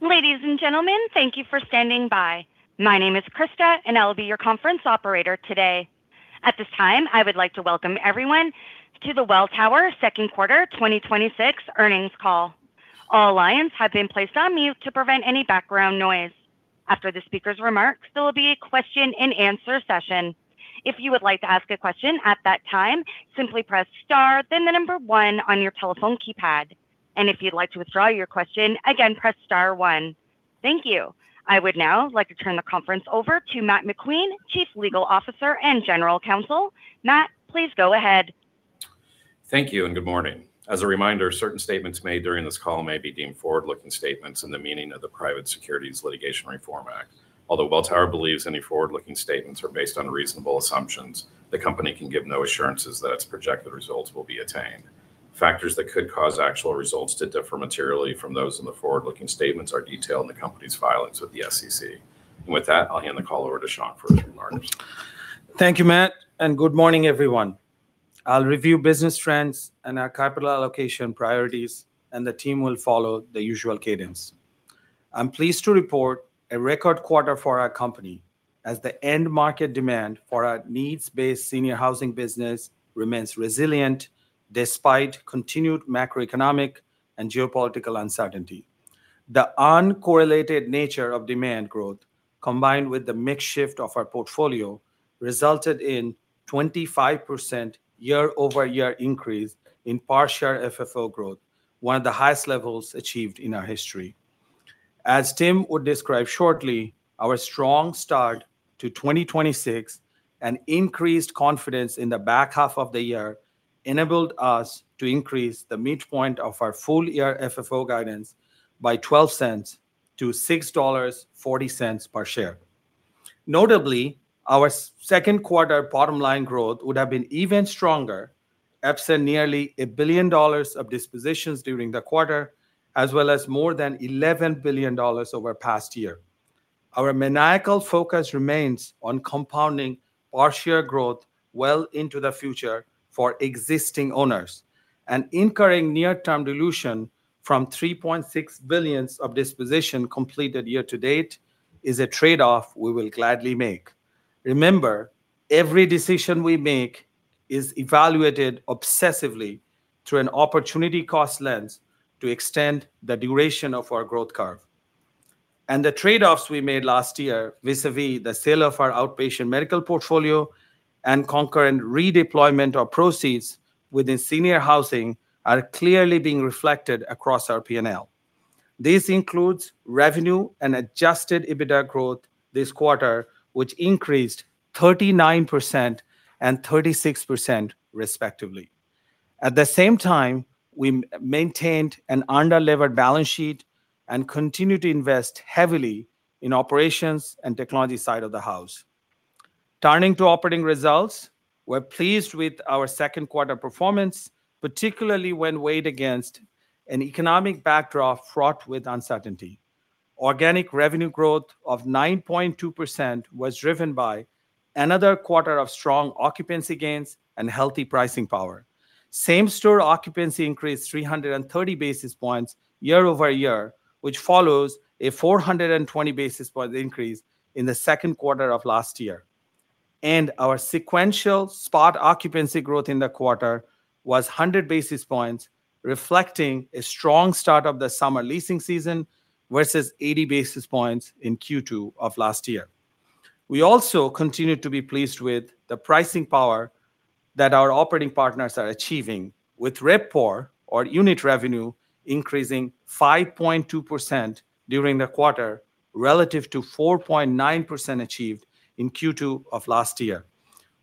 Ladies and gentlemen, thank you for standing by. My name is Krista, and I will be your conference operator today. At this time, I would like to welcome everyone to the Welltower second quarter 2026 earnings call. All lines have been placed on mute to prevent any background noise. After the speaker's remarks, there will be a question-and-answer session. If you would like to ask a question at that time, simply press star then the number one on your telephone keypad. If you would like to withdraw your question, again, press star one. Thank you. I would now like to turn the conference over to Matt McQueen, Chief Legal Officer and General Counsel. Matt, please go ahead. Thank you, and good morning. As a reminder, certain statements made during this call may be deemed forward-looking statements in the meaning of the Private Securities Litigation Reform Act. Although Welltower believes any forward-looking statements are based on reasonable assumptions, the company can give no assurances that its projected results will be attained. Factors that could cause actual results to differ materially from those in the forward-looking statements are detailed in the company's filings with the SEC. With that, I will hand the call over to Shankh for opening remarks. Thank you, Matt, and good morning, everyone. I will review business trends and our capital allocation priorities, and the team will follow the usual cadence. I am pleased to report a record quarter for our company, as the end market demand for our needs-based senior housing business remains resilient despite continued macroeconomic and geopolitical uncertainty. The uncorrelated nature of demand growth, combined with the mix shift of our portfolio, resulted in 25% year-over-year increase in per-share FFO growth, one of the highest levels achieved in our history. As Tim would describe shortly, our strong start to 2026 and increased confidence in the back half of the year enabled us to increase the midpoint of our full-year FFO guidance by $0.12 to $6.40 per share. Notably, our second quarter bottom-line growth would have been even stronger, absent nearly a billion dollars of dispositions during the quarter, as well as more than $11 billion over the past year. Our maniacal focus remains on compounding per share growth well into the future for existing owners, and incurring near-term dilution from $3.6 billion of dispositions completed year-to-date is a trade-off we will gladly make. Remember, every decision we make is evaluated obsessively through an opportunity cost lens to extend the duration of our growth curve. The trade-offs we made last year vis-à-vis the sale of our outpatient medical portfolio and concurrent redeployment of proceeds within senior housing are clearly being reflected across our P&L. This includes revenue and adjusted EBITDA growth this quarter, which increased 39% and 36% respectively. At the same time, we maintained an under-levered balance sheet and continue to invest heavily in operations and technology side of the house. Turning to operating results, we are pleased with our second quarter performance, particularly when weighed against an economic backdrop fraught with uncertainty. Organic revenue growth of 9.2% was driven by another quarter of strong occupancy gains and healthy pricing power. Same-store occupancy increased 330 basis points year-over-year, which follows a 420 basis point increase in the second quarter of last year. Our sequential spot occupancy growth in the quarter was 100 basis points, reflecting a strong start of the summer leasing season versus 80 basis points in Q2 of last year. We also continue to be pleased with the pricing power that our operating partners are achieving with RevPOR or unit revenue increasing 5.2% during the quarter, relative to 4.9% achieved in Q2 of last year.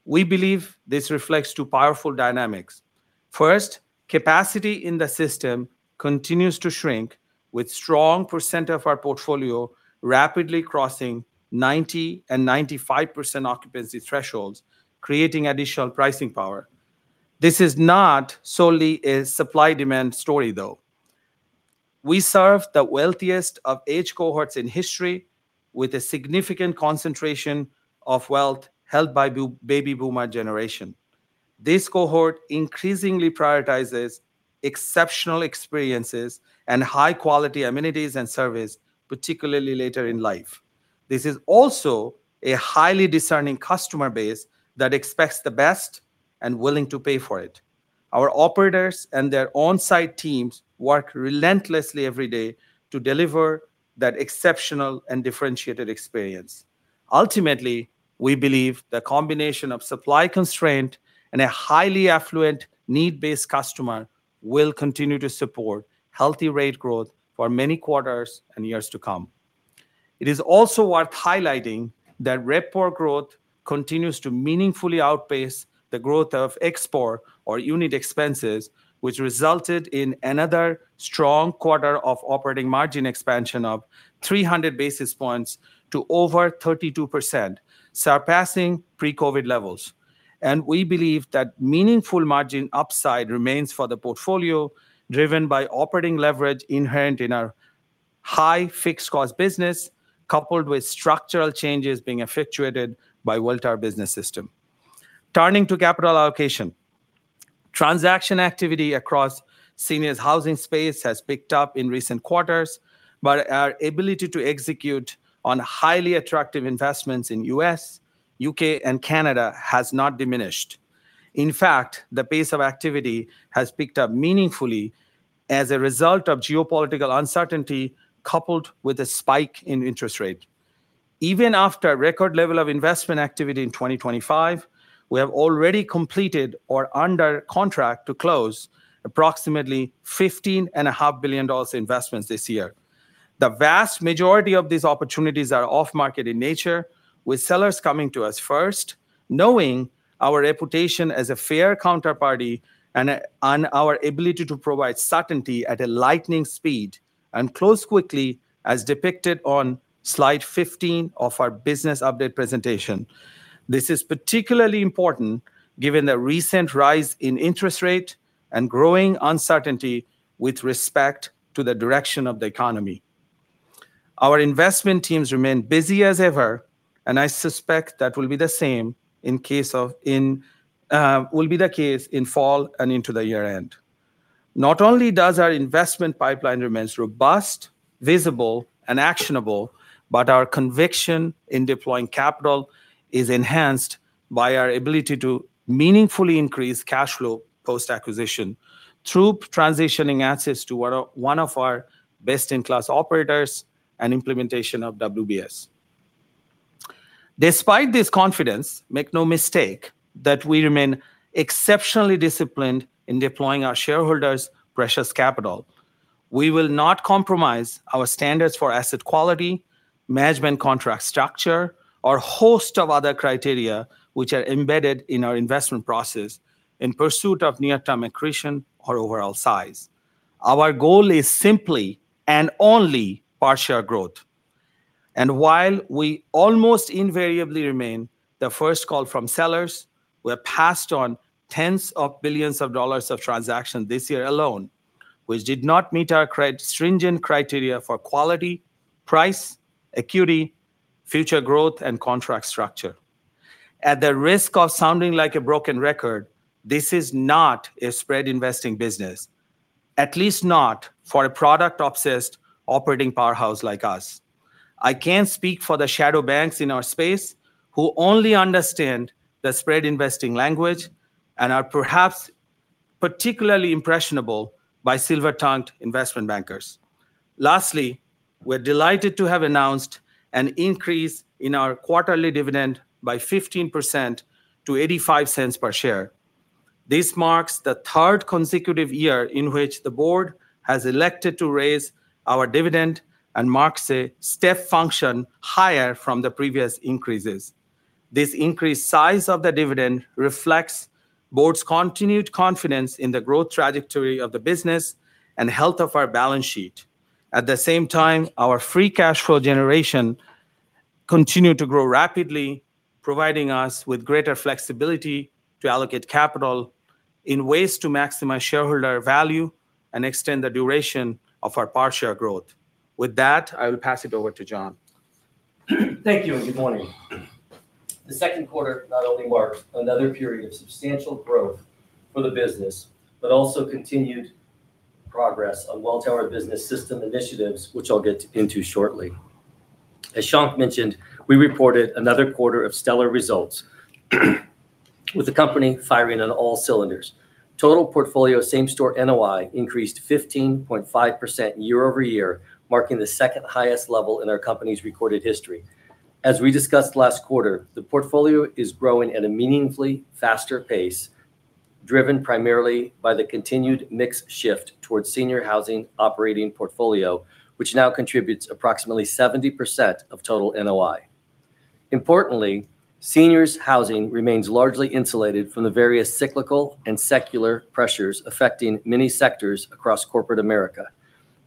We believe this reflects two powerful dynamics. First, capacity in the system continues to shrink, with strong percent of our portfolio rapidly crossing 90% and 95% occupancy thresholds, creating additional pricing power. This is not solely a supply-demand story, though. We serve the wealthiest of age cohorts in history with a significant concentration of wealth held by Baby Boomer generation. This cohort increasingly prioritizes exceptional experiences and high-quality amenities and service, particularly later in life. This is also a highly discerning customer base that expects the best and willing to pay for it. Our operators and their on-site teams work relentlessly every day to deliver that exceptional and differentiated experience. Ultimately, we believe the combination of supply constraint and a highly affluent need-based customer will continue to support healthy rate growth for many quarters and years to come. It is also worth highlighting that RevPOR growth continues to meaningfully outpace the growth of ExpPOR or unit expenses, which resulted in another strong quarter of operating margin expansion of 300 basis points to over 32%, surpassing pre-COVID levels. We believe that meaningful margin upside remains for the portfolio, driven by operating leverage inherent in our high fixed cost business, coupled with structural changes being effectuated by Welltower Business System. Turning to capital allocation, transaction activity across seniors housing space has picked up in recent quarters, but our ability to execute on highly attractive investments in U.S., U.K., and Canada has not diminished. In fact, the pace of activity has picked up meaningfully as a result of geopolitical uncertainty, coupled with a spike in interest rate. Even after a record level of investment activity in 2025, we have already completed or under contract to close approximately $15.5 billion investments this year. The vast majority of these opportunities are off-market in nature, with sellers coming to us first, knowing our reputation as a fair counterparty and our ability to provide certainty at a lightning speed, and close quickly, as depicted on slide 15 of our business update presentation. This is particularly important given the recent rise in interest rate and growing uncertainty with respect to the direction of the economy. Our investment teams remain busy as ever, and I suspect that will be the case in fall and into the year-end. Not only does our investment pipeline remain robust, visible, and actionable, but our conviction in deploying capital is enhanced by our ability to meaningfully increase cash flow post-acquisition through transitioning assets to one of our best-in-class operators and implementation of WBS. Despite this confidence, make no mistake that we remain exceptionally disciplined in deploying our shareholders' precious capital. We will not compromise our standards for asset quality, management contract structure, or host of other criteria which are embedded in our investment process in pursuit of near-term accretion or overall size. Our goal is simply and only partial growth. While we almost invariably remain the first call from sellers, we're passed on tens of billions of dollars of transaction this year alone, which did not meet our stringent criteria for quality, price, acuity, future growth, and contract structure. At the risk of sounding like a broken record, this is not a spread investing business, at least not for a product-obsessed operating powerhouse like us. I can't speak for the shadow banks in our space who only understand the spread investing language and are perhaps particularly impressionable by silver-tongued investment bankers. Lastly, we're delighted to have announced an increase in our quarterly dividend by 15% to $0.85 per share. This marks the third consecutive year in which the Board has elected to raise our dividend and marks a step function higher from the previous increases. This increased size of the dividend reflects Board's continued confidence in the growth trajectory of the business and health of our balance sheet. At the same time, our free cash flow generation continued to grow rapidly, providing us with greater flexibility to allocate capital in ways to maximize shareholder value and extend the duration of our partial growth. With that, I will pass it over to John. Thank you, and good morning. The second quarter not only marks another period of substantial growth for the business, but also continued progress on Welltower Business System initiatives, which I'll get into shortly. As Shankh mentioned, we reported another quarter of stellar results with the company firing on all cylinders. Total portfolio same-store NOI increased 15.5% year-over-year, marking the second highest level in our company's recorded history. As we discussed last quarter, the portfolio is growing at a meaningfully faster pace, driven primarily by the continued mix shift towards senior housing operating portfolio, which now contributes approximately 70% of total NOI. Importantly, seniors housing remains largely insulated from the various cyclical and secular pressures affecting many sectors across corporate America.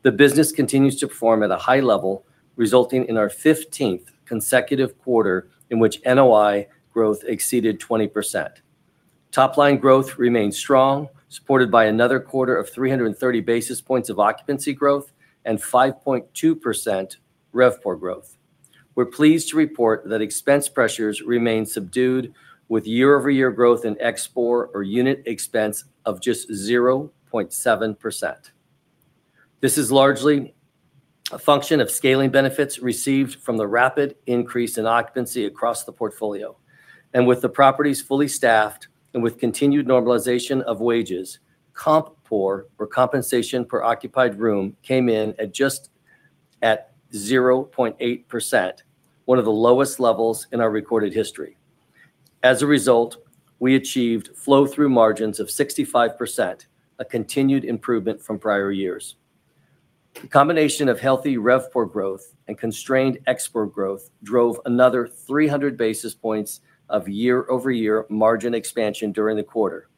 The business continues to perform at a high level, resulting in our 15th consecutive quarter in which NOI growth exceeded 20%. Top-line growth remained strong, supported by another quarter of 330 basis points of occupancy growth and 5.2% RevPOR growth. We are pleased to report that expense pressures remain subdued, with year-over-year growth in ExpPOR or unit expense of just 0.7%. This is largely a function of scaling benefits received from the rapid increase in occupancy across the portfolio. With the properties fully staffed and with continued normalization of wages, CompPOR, or compensation per occupied room, came in at just at 0.8%, one of the lowest levels in our recorded history. As a result, we achieved flow through margins of 65%, a continued improvement from prior years. The combination of healthy RevPOR growth and constrained ExpPOR growth drove another 300 basis points of year-over-year margin expansion during the quarter.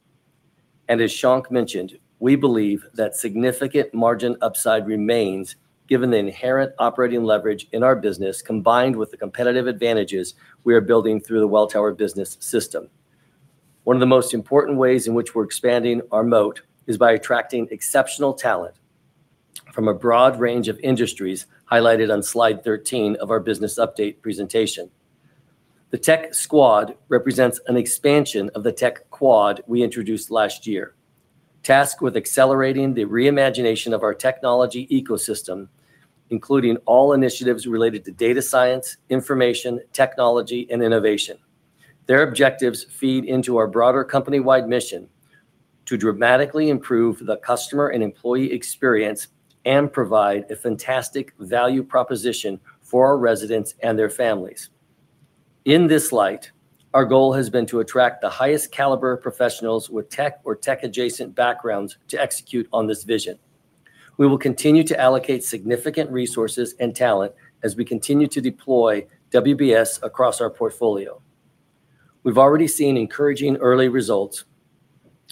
As Shankh mentioned, we believe that significant margin upside remains given the inherent operating leverage in our business, combined with the competitive advantages we are building through the Welltower Business System. One of the most important ways in which we are expanding our moat is by attracting exceptional talent from a broad range of industries highlighted on slide 13 of our business update presentation. The Tech Squad represents an expansion of the Tech Quad we introduced last year. Tasked with accelerating the re-imagination of our technology ecosystem, including all initiatives related to data science, information, technology, and innovation. Their objectives feed into our broader company-wide mission to dramatically improve the customer and employee experience and provide a fantastic value proposition for our residents and their families. In this light, our goal has been to attract the highest caliber professionals with tech or tech-adjacent backgrounds to execute on this vision. We will continue to allocate significant resources and talent as we continue to deploy WBS across our portfolio. We have already seen encouraging early results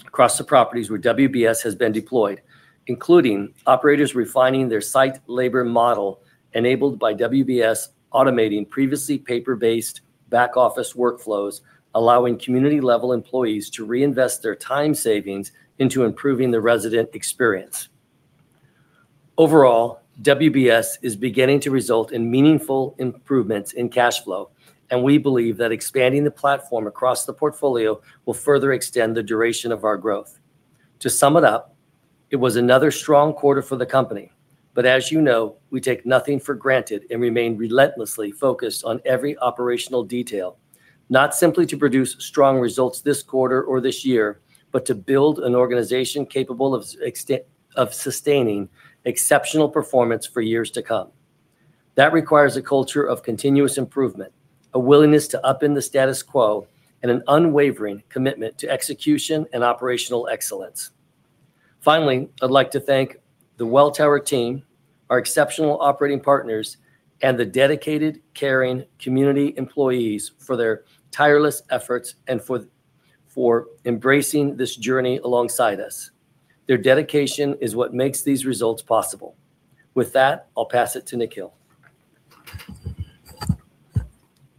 across the properties where WBS has been deployed, including operators refining their site labor model enabled by WBS automating previously paper-based back-office workflows, allowing community-level employees to reinvest their time savings into improving the resident experience. Overall, WBS is beginning to result in meaningful improvements in cash flow, and we believe that expanding the platform across the portfolio will further extend the duration of our growth. To sum it up, it was another strong quarter for the company. As you know, we take nothing for granted and remain relentlessly focused on every operational detail. Not simply to produce strong results this quarter or this year, but to build an organization capable of sustaining exceptional performance for years to come. That requires a culture of continuous improvement, a willingness to upend the status quo, and an unwavering commitment to execution and operational excellence. Finally, I would like to thank the Welltower team, our exceptional operating partners, and the dedicated, caring community employees for their tireless efforts and for embracing this journey alongside us. Their dedication is what makes these results possible. With that, I will pass it to Nikhil.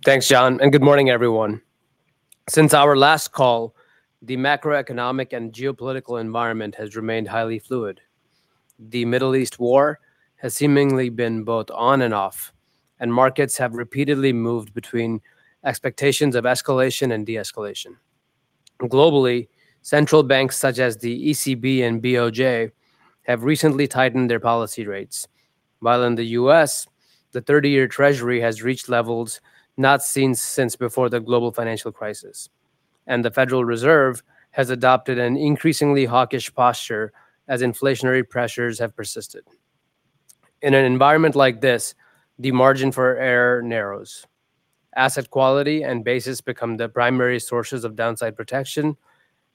Thanks, John, and good morning, everyone. Since our last call, the macroeconomic and geopolitical environment has remained highly fluid. The Middle East war has seemingly been both on and off, and markets have repeatedly moved between expectations of escalation and de-escalation. Globally, central banks such as the ECB and BOJ have recently tightened their policy rates, while in the U.S., the 30-year Treasury has reached levels not seen since before the Global Financial Crisis. The Federal Reserve has adopted an increasingly hawkish posture as inflationary pressures have persisted. In an environment like this, the margin for error narrows. Asset quality and basis become the primary sources of downside protection,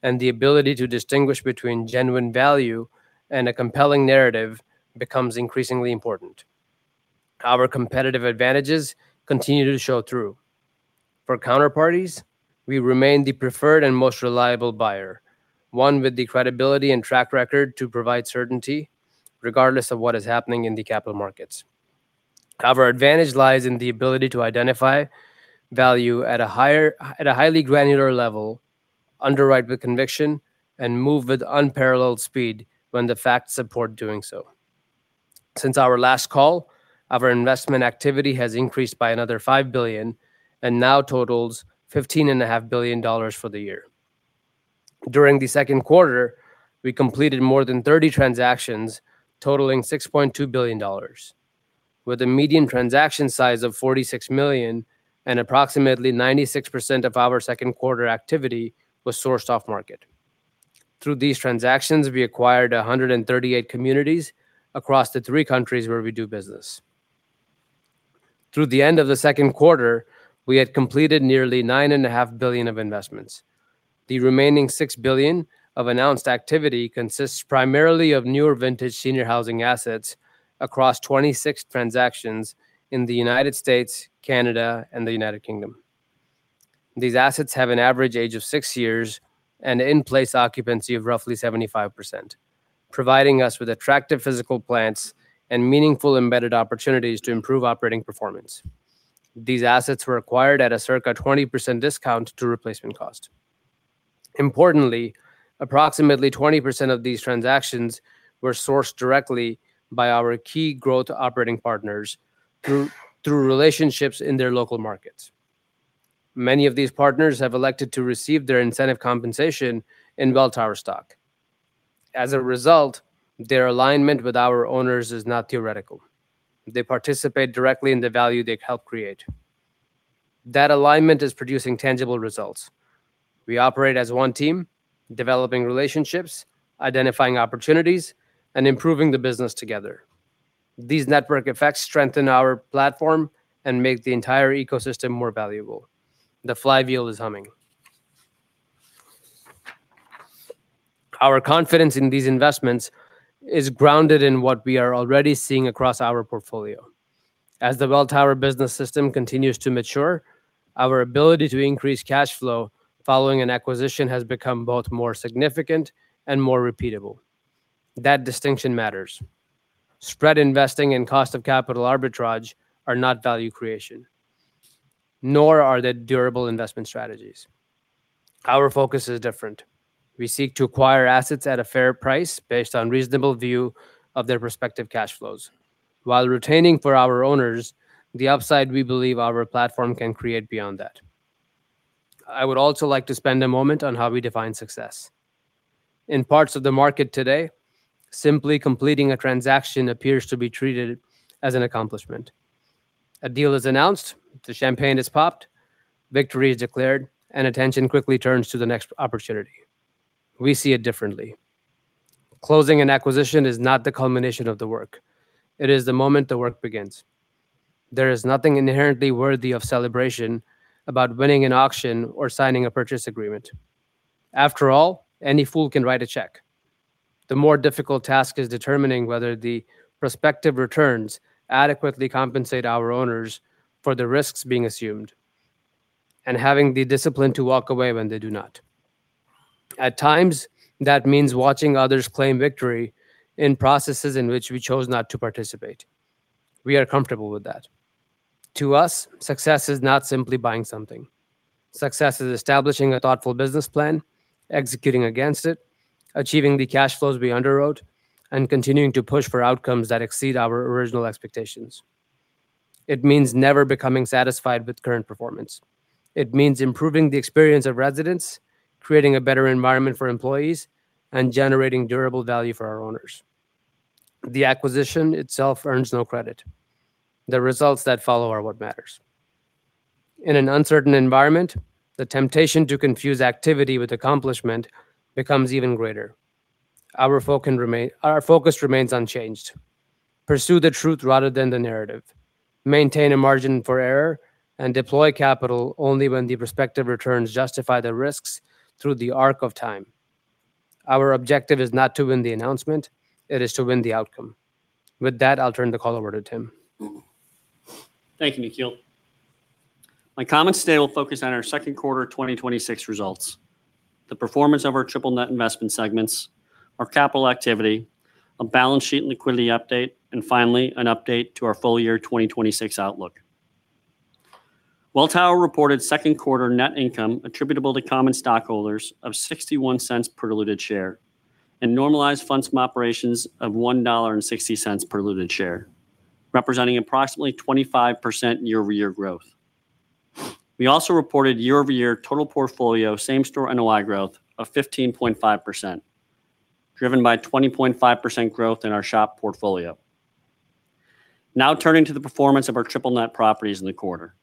and the ability to distinguish between genuine value and a compelling narrative becomes increasingly important. Our competitive advantages continue to show through. For counterparties, we remain the preferred and most reliable buyer, one with the credibility and track record to provide certainty regardless of what is happening in the capital markets. Our advantage lies in the ability to identify value at a highly granular level, underwrite with conviction, and move with unparalleled speed when the facts support doing so. Since our last call, our investment activity has increased by another $5 billion and now totals $15.5 billion for the year. During the second quarter, we completed more than 30 transactions totaling $6.2 billion, with a median transaction size of $46 million and approximately 96% of our second quarter activity was sourced off-market. Through these transactions, we acquired 138 communities across the three countries where we do business. Through the end of the second quarter, we had completed nearly $9.5 billion of investments. The remaining $6 billion of announced activity consists primarily of newer vintage senior housing assets across 26 transactions in the U.S., Canada, and the U.K. These assets have an average age of six years and in-place occupancy of roughly 75%, providing us with attractive physical plants and meaningful embedded opportunities to improve operating performance. These assets were acquired at a circa 20% discount to replacement cost. Importantly, approximately 20% of these transactions were sourced directly by our key growth operating partners through relationships in their local markets. Many of these partners have elected to receive their incentive compensation in Welltower stock. As a result, their alignment with our owners is not theoretical. They participate directly in the value they help create. That alignment is producing tangible results. We operate as one team, developing relationships, identifying opportunities, and improving the business together. These network effects strengthen our platform and make the entire ecosystem more valuable. The flywheel is humming. Our confidence in these investments is grounded in what we are already seeing across our portfolio. As the Welltower Business System continues to mature, our ability to increase cash flow following an acquisition has become both more significant and more repeatable. That distinction matters. Spread investing and cost of capital arbitrage are not value creation, nor are they durable investment strategies. Our focus is different. We seek to acquire assets at a fair price based on reasonable view of their respective cash flows, while retaining for our owners the upside we believe our platform can create beyond that. I would also like to spend a moment on how we define success. In parts of the market today, simply completing a transaction appears to be treated as an accomplishment. A deal is announced, the champagne is popped, victory is declared, and attention quickly turns to the next opportunity. We see it differently. Closing an acquisition is not the culmination of the work. It is the moment the work begins. There is nothing inherently worthy of celebration about winning an auction or signing a purchase agreement. After all, any fool can write a check. The more difficult task is determining whether the prospective returns adequately compensate our owners for the risks being assumed, and having the discipline to walk away when they do not. At times, that means watching others claim victory in processes in which we chose not to participate. We are comfortable with that. To us, success is not simply buying something. Success is establishing a thoughtful business plan, executing against it, achieving the cash flows we underwrote, and continuing to push for outcomes that exceed our original expectations. It means never becoming satisfied with current performance. It means improving the experience of residents, creating a better environment for employees, and generating durable value for our owners. The acquisition itself earns no credit. The results that follow are what matters. In an uncertain environment, the temptation to confuse activity with accomplishment becomes even greater. Our focus remains unchanged. Pursue the truth rather than the narrative. Maintain a margin for error, deploy capital only when the prospective returns justify the risks through the arc of time. Our objective is not to win the announcement, it is to win the outcome. With that, I'll turn the call over to Tim. Thank you, Nikhil. My comments today will focus on our second quarter 2026 results, the performance of our triple net investment segments, our capital activity, a balance sheet and liquidity update, and finally, an update to our full-year 2026 outlook. Welltower reported second quarter net income attributable to common stockholders of $0.61 per diluted share, normalized funds from operations of $1.60 per diluted share, representing approximately 25% year-over-year growth. We also reported year-over-year total portfolio same-store NOI growth of 15.5%, driven by 20.5% growth in our SHOP portfolio. Turning to the performance of our triple net properties in the quarter.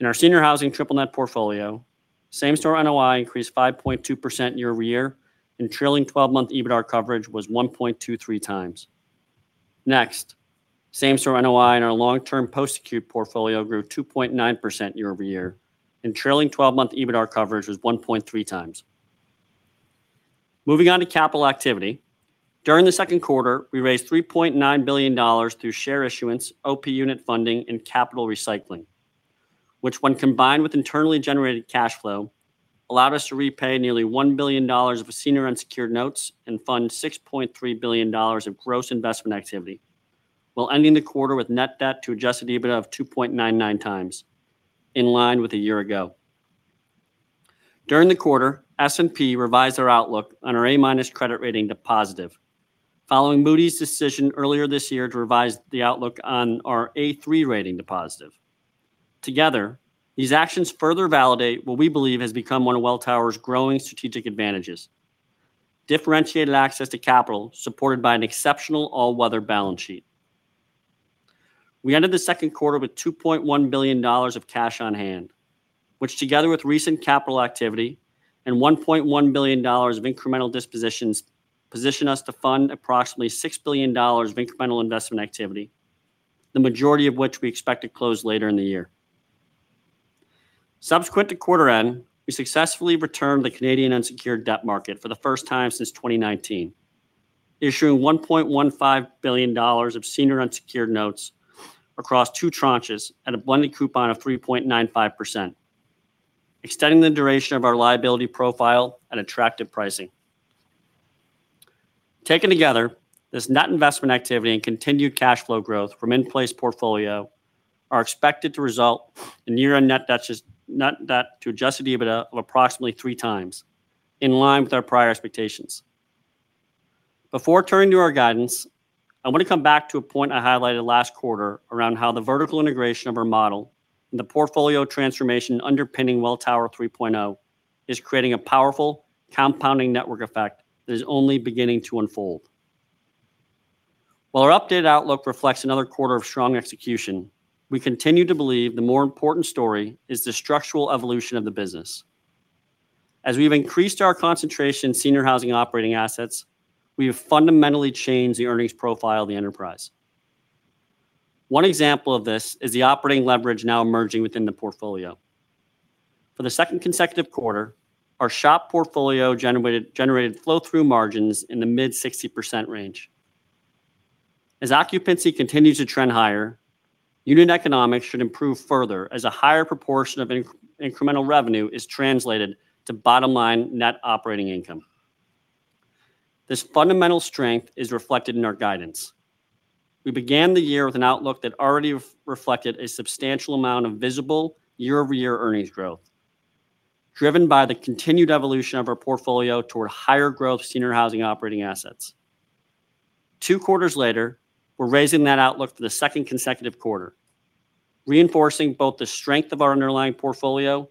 In our senior housing triple net portfolio, same-store NOI increased 5.2% year-over-year, trailing 12-month EBITDAR coverage was 1.23x. Same-store NOI in our long-term post-acute portfolio grew 2.9% year-over-year, trailing 12-month EBITDAR coverage was 1.3x. Moving on to capital activity. During the second quarter, we raised $3.9 billion through share issuance, OP unit funding, and capital recycling, which when combined with internally generated cash flow, allowed us to repay nearly $1 billion of senior unsecured notes and fund $6.3 billion of gross investment activity, while ending the quarter with net debt-to-adjusted EBITDAR of 2.99x, in line with a year ago. During the quarter, S&P revised our outlook on our A- credit rating to positive, following Moody's decision earlier this year to revise the outlook on our A3 rating to positive. Together, these actions further validate what we believe has become one of Welltower's growing strategic advantages, differentiated access to capital supported by an exceptional all-weather balance sheet. We ended the second quarter with $2.1 billion of cash on hand, which together with recent capital activity and $1.1 billion of incremental dispositions, position us to fund approximately $6 billion of incremental investment activity, the majority of which we expect to close later in the year. Subsequent to quarter-end, we successfully returned the Canadian unsecured debt market for the first time since 2019, issuing 1.15 billion dollars of senior unsecured notes across two tranches at a blended coupon of 3.95%, extending the duration of our liability profile at attractive pricing. Taken together, this net investment activity and continued cash flow growth from in-place portfolio are expected to result in year-end net debt-to-adjusted EBITDAR of approximately 3x, in line with our prior expectations. Before turning to our guidance, I want to come back to a point I highlighted last quarter around how the vertical integration of our model and the portfolio transformation underpinning Welltower 3.0 is creating a powerful compounding network effect that is only beginning to unfold. While our updated outlook reflects another quarter of strong execution, we continue to believe the more important story is the structural evolution of the business. As we've increased our concentration in Senior Housing Operating Assets, we have fundamentally changed the earnings profile of the enterprise. One example of this is the operating leverage now emerging within the portfolio. For the second consecutive quarter, our SHOP portfolio generated flow-through margins in the mid-60% range. As occupancy continues to trend higher, unit economics should improve further as a higher proportion of incremental revenue is translated to bottom-line net operating income. This fundamental strength is reflected in our guidance. We began the year with an outlook that already reflected a substantial amount of visible year-over-year earnings growth, driven by the continued evolution of our portfolio toward higher growth Senior Housing Operating Assets. Two quarters later, we're raising that outlook for the second consecutive quarter, reinforcing both the strength of our underlying portfolio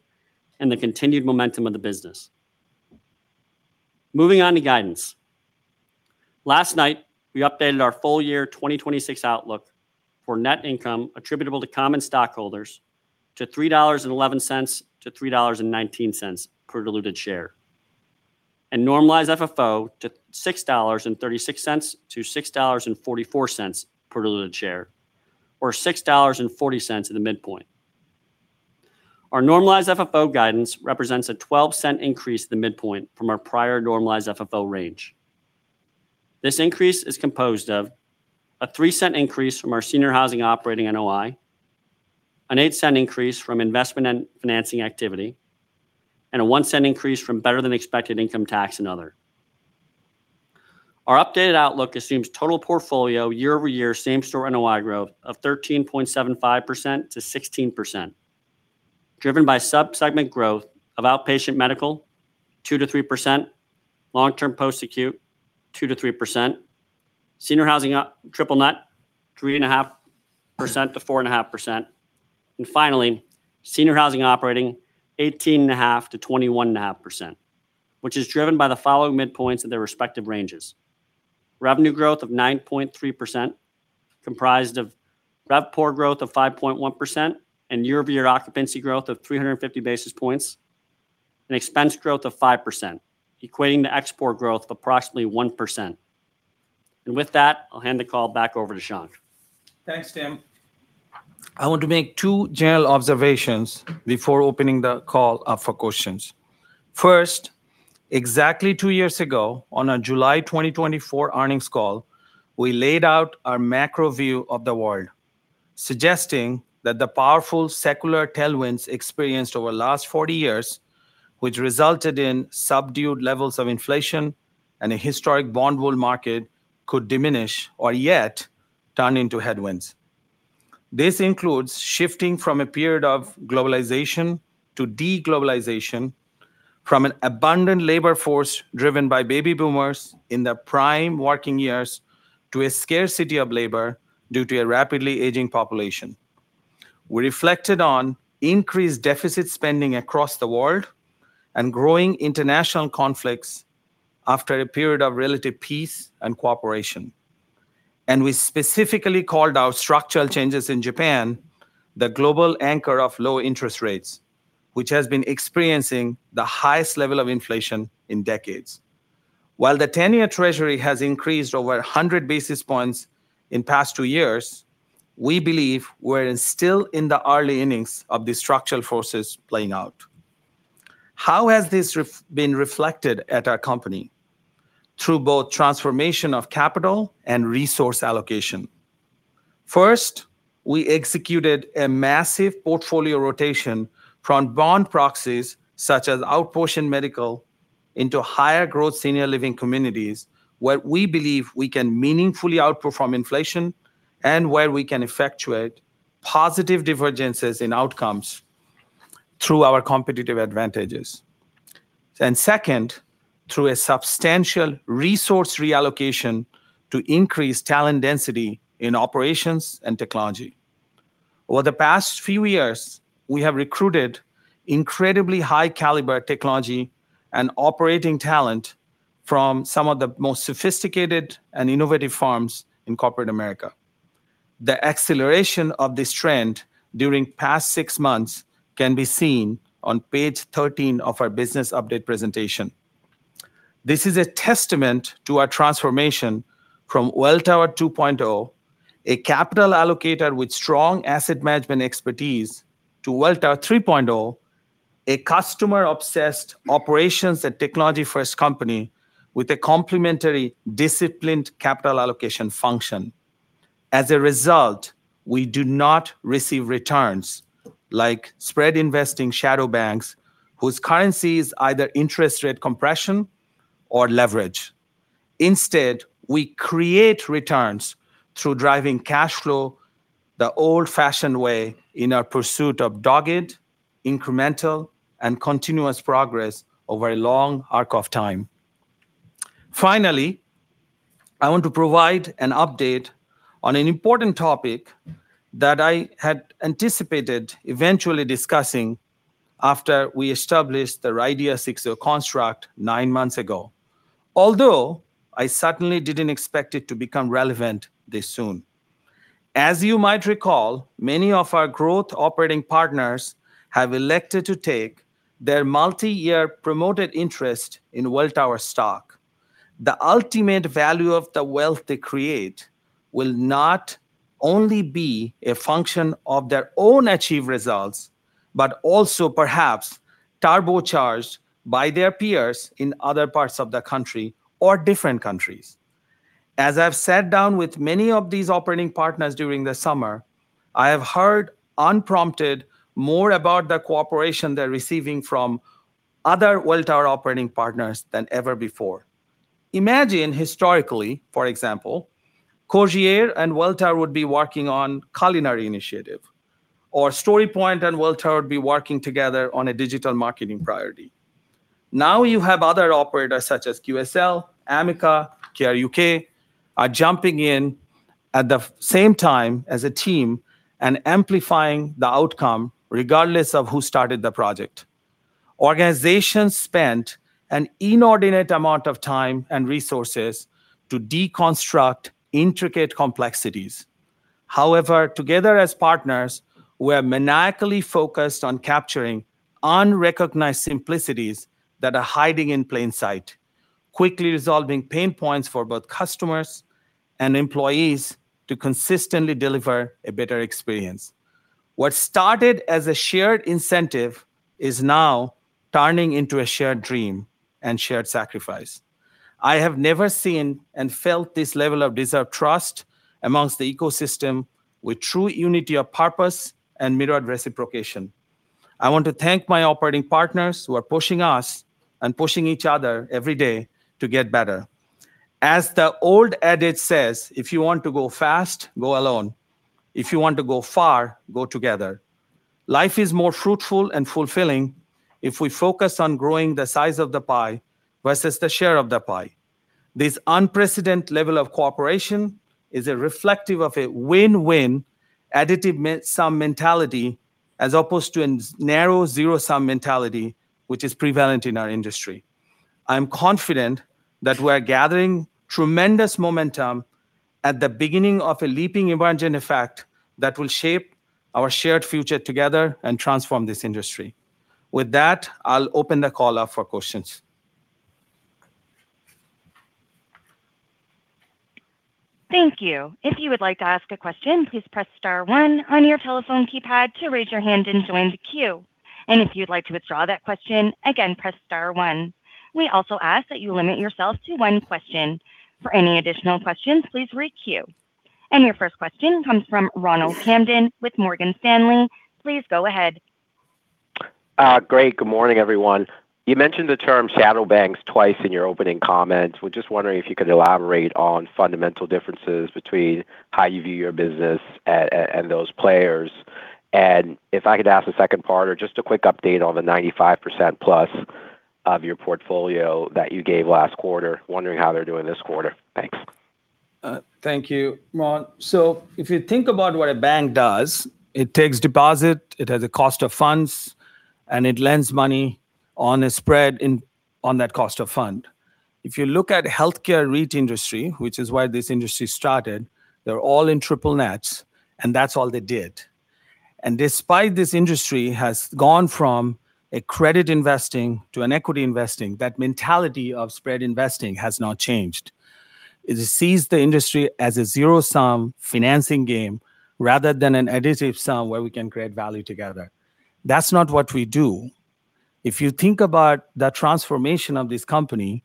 and the continued momentum of the business. Moving on to guidance. Last night, we updated our full-year 2026 outlook for net income attributable to common stockholders to $3.11-$3.19 per diluted share, and normalized FFO to $6.36-$6.44 per diluted share, or $6.40 at the midpoint. Our normalized FFO guidance represents a $0.12 increase at the midpoint from our prior normalized FFO range. This increase is composed of a $0.03 increase from our Senior Housing Operating NOI, a $0.08 increase from investment and financing activity, and a $0.01 increase from better than expected income tax and other. Our updated outlook assumes total portfolio year-over-year same-store NOI growth of 13.75%-16%, driven by sub-segment growth of Outpatient Medical 2%-3%, Long-Term Post-Acute 2%-3%, Senior Housing Triple Net 3.5%-4.5%, and finally, Senior Housing Operating 18.5%-21.5%, which is driven by the following midpoints in their respective ranges. Revenue growth of 9.3% comprised of RevPOR growth of 5.1% and year-over-year occupancy growth of 350 basis points, and expense growth of 5%, equating to ExpPOR growth of approximately 1%. With that, I'll hand the call back over to Shankh. Thanks, Tim. I want to make two general observations before opening the call up for questions. First, exactly two years ago, on our July 2024 earnings call, we laid out our macro view of the world, suggesting that the powerful secular tailwinds experienced over the last 40 years, which resulted in subdued levels of inflation and a historic bond bull market could diminish or yet turn into headwinds. This includes shifting from a period of globalization to de-globalization from an abundant labor force driven by baby boomers in their prime working years to a scarcity of labor due to a rapidly aging population. We reflected on increased deficit spending across the world and growing international conflicts after a period of relative peace and cooperation. We specifically called out structural changes in Japan, the global anchor of low interest rates, which has been experiencing the highest level of inflation in decades. While the 10-year treasury has increased over 100 basis points in the past two years, we believe we're still in the early innings of these structural forces playing out. How has this been reflected at our company? Through both transformation of capital and resource allocation. First, we executed a massive portfolio rotation from bond proxies such as outpatient medical into higher growth senior living communities, where we believe we can meaningfully outperform inflation and where we can effectuate positive divergences in outcomes through our competitive advantages. Second, through a substantial resource reallocation to increase talent density in operations and technology. Over the past few years, we have recruited incredibly high caliber technology and operating talent from some of the most sophisticated and innovative firms in corporate America. The acceleration of this trend during the past six months can be seen on page 13 of our business update presentation. This is a testament to our transformation from Welltower 2.0, a capital allocator with strong asset management expertise, to Welltower 3.0, a customer-obsessed operations and technology-first company with a complementary disciplined capital allocation function. As a result, we do not receive returns like spread investing shadow banks whose currency is either interest rate compression or leverage. Instead, we create returns through driving cash flow the old-fashioned way in our pursuit of dogged, incremental, and continuous progress over a long arc of time. Finally, I want to provide an update on an important topic that I had anticipated eventually discussing after we established the Radia6 Construct nine months ago. Although I certainly didn't expect it to become relevant this soon. As you might recall, many of our growth operating partners have elected to take their multi-year promoted interest in Welltower stock. The ultimate value of the wealth they create will not only be a function of their own achieved results, but also perhaps turbocharged by their peers in other parts of the country or different countries. As I've sat down with many of these operating partners during the summer, I have heard unprompted more about the cooperation they're receiving from other Welltower operating partners than ever before. Imagine historically, for example, Cogir and Welltower would be working on culinary initiative, or StoryPoint and Welltower would be working together on a digital marketing priority. Now you have other operators such as QSL, Amica, Care UK, are jumping in at the same time as a team and amplifying the outcome regardless of who started the project. Organizations spent an inordinate amount of time and resources to deconstruct intricate complexities. However, together as partners, we're maniacally focused on capturing unrecognized simplicities that are hiding in plain sight, quickly resolving pain points for both customers and employees to consistently deliver a better experience. What started as a shared incentive is now turning into a shared dream and shared sacrifice. I have never seen and felt this level of deserved trust amongst the ecosystem with true unity of purpose and mirrored reciprocation. I want to thank my operating partners who are pushing us and pushing each other every day to get better. As the old adage says, if you want to go fast, go alone. If you want to go far, go together. Life is more fruitful and fulfilling if we focus on growing the size of the pie versus the share of the pie. This unprecedented level of cooperation is a reflective of a win-win additive sum mentality as opposed to a narrow zero-sum mentality, which is prevalent in our industry. I'm confident that we're gathering tremendous momentum at the beginning of a leaping imagined effect that will shape our shared future together and transform this industry. With that, I'll open the call up for questions. Thank you. If you would like to ask a question, please press star one on your telephone keypad to raise your hand and join the queue. If you'd like to withdraw that question, again, press star one. We also ask that you limit yourself to one question. For any additional questions, please re-queue. Your first question comes from Ronald Kamdem with Morgan Stanley. Please go ahead. Great. Good morning, everyone. You mentioned the term shadow banks twice in your opening comments. I was just wondering if you could elaborate on fundamental differences between how you view your business and those players. If I could ask a second part or just a quick update on the 95% plus of your portfolio that you gave last quarter, wondering how they're doing this quarter. Thanks. Thank you, Ron. If you think about what a bank does, it takes deposit, it has a cost of funds, and it lends money on a spread on that cost of fund. If you look at healthcare REIT industry, which is why this industry started, they're all in triple nets, and that's all they did. Despite this industry has gone from a credit investing to an equity investing, that mentality of spread investing has not changed. It sees the industry as a zero-sum financing game rather than an additive sum where we can create value together. That's not what we do. If you think about the transformation of this company,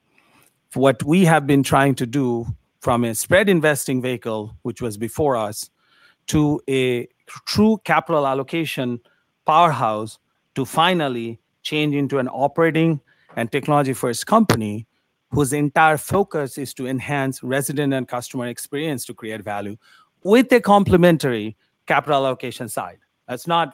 what we have been trying to do from a spread investing vehicle, which was before us, to a true capital allocation powerhouse to finally change into an operating and technology-first company whose entire focus is to enhance resident and customer experience to create value with a complementary capital allocation side.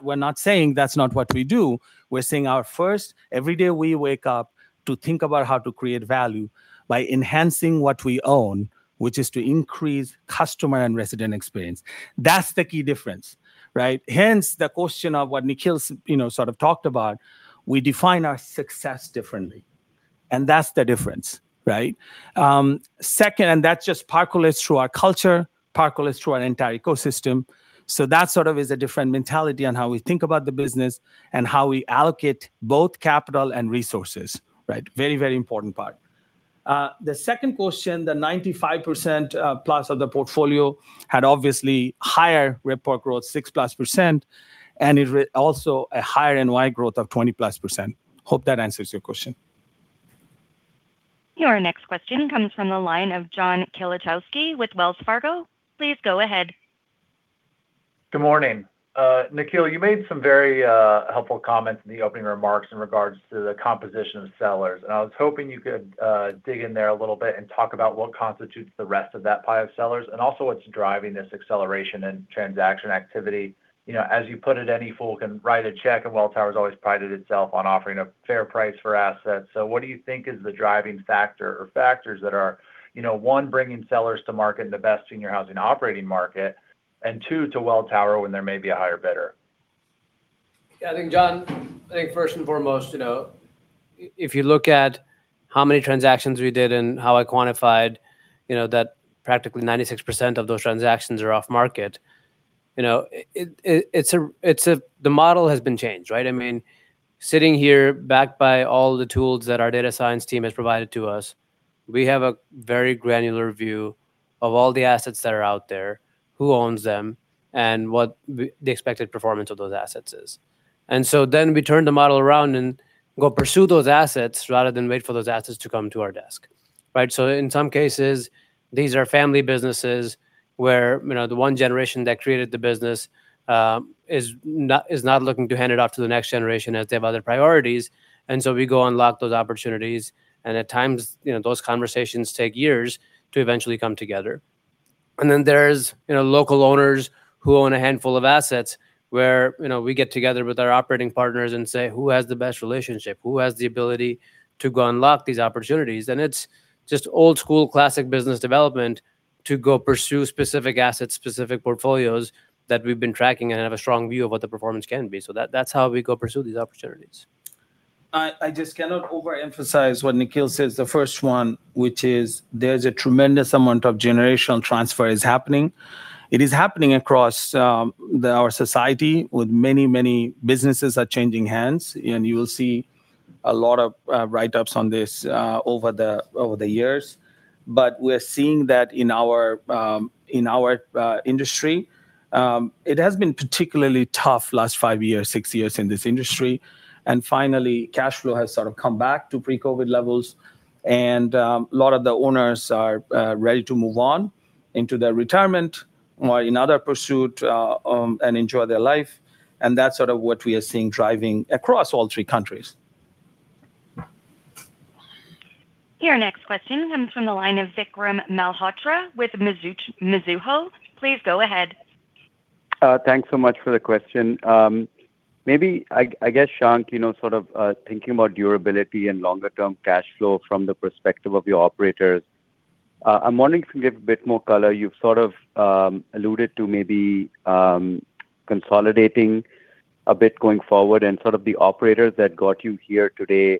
We're not saying that's not what we do. We're saying our first, every day we wake up to think about how to create value by enhancing what we own, which is to increase customer and resident experience. That's the key difference, right? Hence the question of what Nikhil sort of talked about, we define our success differently, and that's the difference. Right? Second, that just percolates through our culture, percolates through our entire ecosystem. That sort of is a different mentality on how we think about the business and how we allocate both capital and resources. Right. Very, very important part. The second question, the 95%+ of the portfolio had obviously higher RevPOR growth, 6+% and it also a higher NOI growth of 20+% plus. Hope that answers your question. Your next question comes from the line of John Kilichowski with Wells Fargo. Please go ahead. Good morning. Nikhil, you made some very helpful comments in the opening remarks in regards to the composition of sellers. I was hoping you could dig in there a little bit and talk about what constitutes the rest of that pie of sellers and also what's driving this acceleration in transaction activity. As you put it, any fool can write a check, and Welltower's always prided itself on offering a fair price for assets. What do you think is the driving factor or factors that are, one, bringing sellers to market in the best senior housing operating market, and two, to Welltower when there may be a higher bidder? I think John, I think first and foremost, if you look at how many transactions we did and how I quantified that practically 96% of those transactions are off-market. The model has been changed, right? Sitting here backed by all the tools that our data science team has provided to us, we have a very granular view of all the assets that are out there, who owns them, and what the expected performance of those assets is. We turn the model around and go pursue those assets rather than wait for those assets to come to our desk. Right? In some cases, these are family businesses where the one generation that created the business is not looking to hand it off to the next-generation as they have other priorities. We go unlock those opportunities, and at times, those conversations take years to eventually come together. There's local owners who own a handful of assets where we get together with our operating partners and say, who has the best relationship? Who has the ability to go unlock these opportunities? It's just old school classic business development to go pursue specific assets, specific portfolios that we've been tracking and have a strong view of what the performance can be. That's how we go pursue these opportunities. I just cannot overemphasize what Nikhil says, the first one, which is there's a tremendous amount of generational transfer is happening. It is happening across our society with many, many businesses are changing hands, and you will see a lot of write-ups on this over the years. We're seeing that in our industry. It has been particularly tough last five years, six years in this industry. Finally, cash flow has sort of come back to pre-COVID levels. A lot of the owners are ready to move on into their retirement or in other pursuit and enjoy their life. That's sort of what we are seeing driving across all three countries. Your next question comes from the line of Vikram Malhotra with Mizuho. Please go ahead. Thanks so much for the question. Maybe, I guess, Shankh sort of thinking about durability and longer term cash flow from the perspective of your operators. I'm wondering if you can give a bit more color. You've sort of alluded to maybe consolidating a bit going forward and sort of the operators that got you here today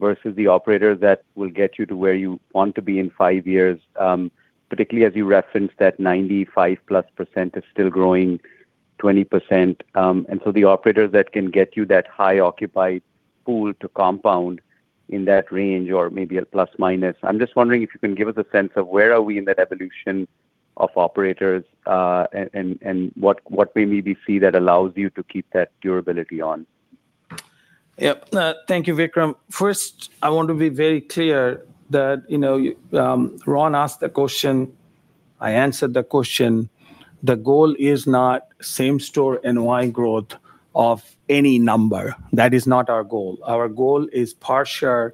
versus the operator that will get you to where you want to be in five years, particularly as you referenced that 95+% is still growing 20%. So the operator that can get you that high occupied pool to compound in that range or maybe a plus minus. I'm just wondering if you can give us a sense of where are we in that evolution of operators, what we maybe see that allows you to keep that durability on. Yep. Thank you, Vikram. First, I want to be very clear that Ron asked the question, I answered the question. The goal is not same-store NOI growth of any number. That is not our goal. Our goal is per share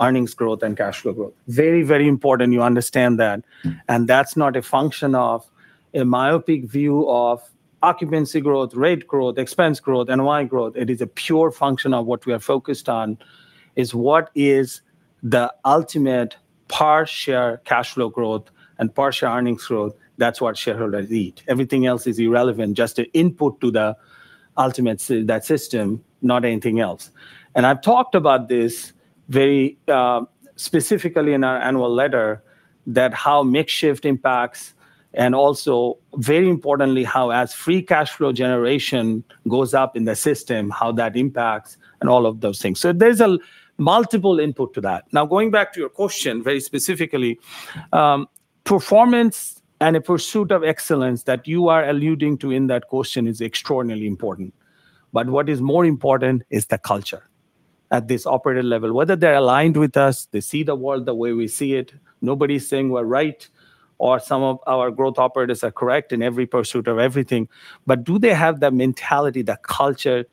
earnings growth and cash flow growth. Very, very important you understand that. That's not a function of a myopic view of occupancy growth, rate growth, expense growth, NOI growth. It is a pure function of what we are focused on is what is the ultimate per share cash flow growth and per share earnings growth. That's what shareholders eat. Everything else is irrelevant. Just an input to the ultimate that system, not anything else. I've talked about this very specifically in our annual letter that how makeshift impacts and also very importantly, how as free cash flow generation goes up in the system, how that impacts and all of those things. There's a multiple input to that. Going back to your question very specifically, performance and a pursuit of excellence that you are alluding to in that question is extraordinarily important. What is more important is the culture at this operator level. Whether they're aligned with us, they see the world the way we see it. Nobody's saying we're right or some of our growth operators are correct in every pursuit of everything. Do they have the mentality, the culture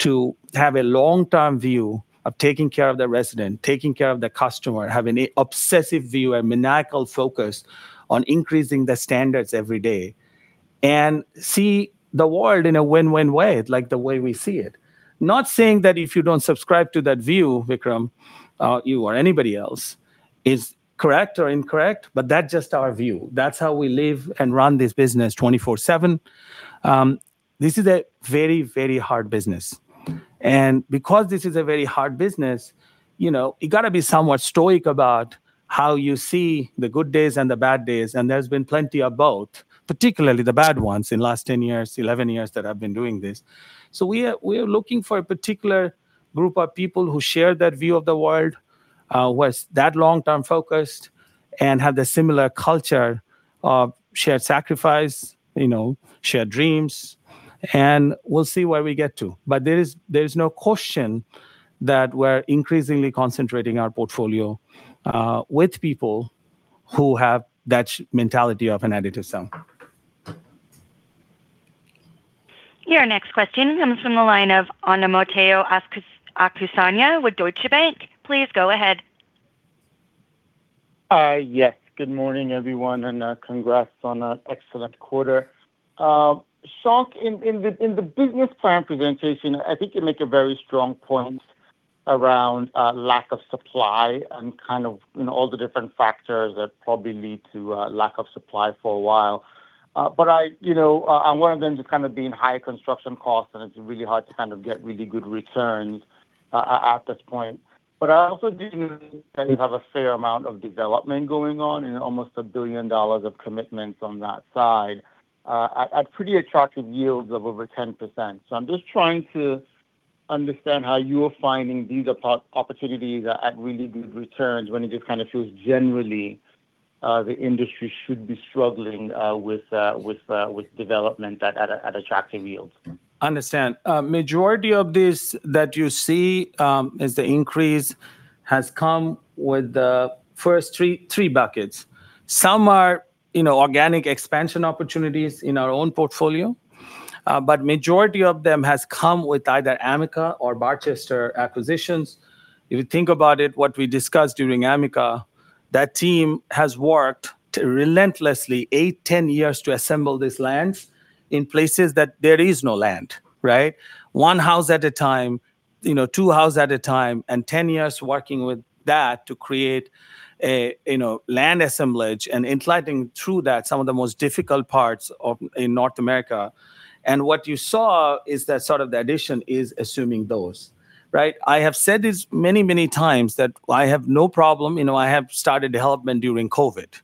to have a long-term view of taking care of the resident, taking care of the customer, have an obsessive view, a maniacal focus on increasing the standards every day and see the world in a win-win way, like the way we see it. Not saying that if you don't subscribe to that view, Vikram, you or anybody else is correct or incorrect, that's just our view. That's how we live and run this business 24/7. This is a very, very hard business. Because this is a very hard business, you got to be somewhat stoic about how you see the good days and the bad days, and there's been plenty of both, particularly the bad ones in last 10 years, 11 years that I've been doing this. We are looking for a particular group of people who share that view of the world, who are that long-term focused, and have the similar culture of shared sacrifice, shared dreams, and we'll see where we get to. There is no question that we're increasingly concentrating our portfolio with people who have that mentality of an additive seller. Your next question comes from the line of Omotayo Okusanya with Deutsche Bank. Please go ahead. Yes. Good morning, everyone, and congrats on an excellent quarter. Shankh, in the business plan presentation, I think you make a very strong point around lack of supply and kind of all the different factors that probably lead to a lack of supply for a while. I'm wondering then just kind of being high construction costs and it's really hard to kind of get really good returns at this point. I also do think that you have a fair amount of development going on and almost a billion dollar of commitments on that side at pretty attractive yields of over 10%. I'm just trying to understand how you are finding these opportunities at really good returns when it just kind of feels generally the industry should be struggling with development at attractive yields. Understand. Majority of this that you see as the increase has come with the first three buckets. Some are organic expansion opportunities in our own portfolio. Majority of them has come with either Amica or Barchester acquisitions. If you think about it, what we discussed during Amica, that team has worked relentlessly 8 to 10 years to assemble these lands in places that there is no land, right? One house at a time, two houses at a time, and 10 years working with that to create a land assemblage and in threading through that some of the most difficult parts in North America. What you saw is that sort of the addition is assuming those, right? I have said this many, many times that I have no problem. I have started development during COVID.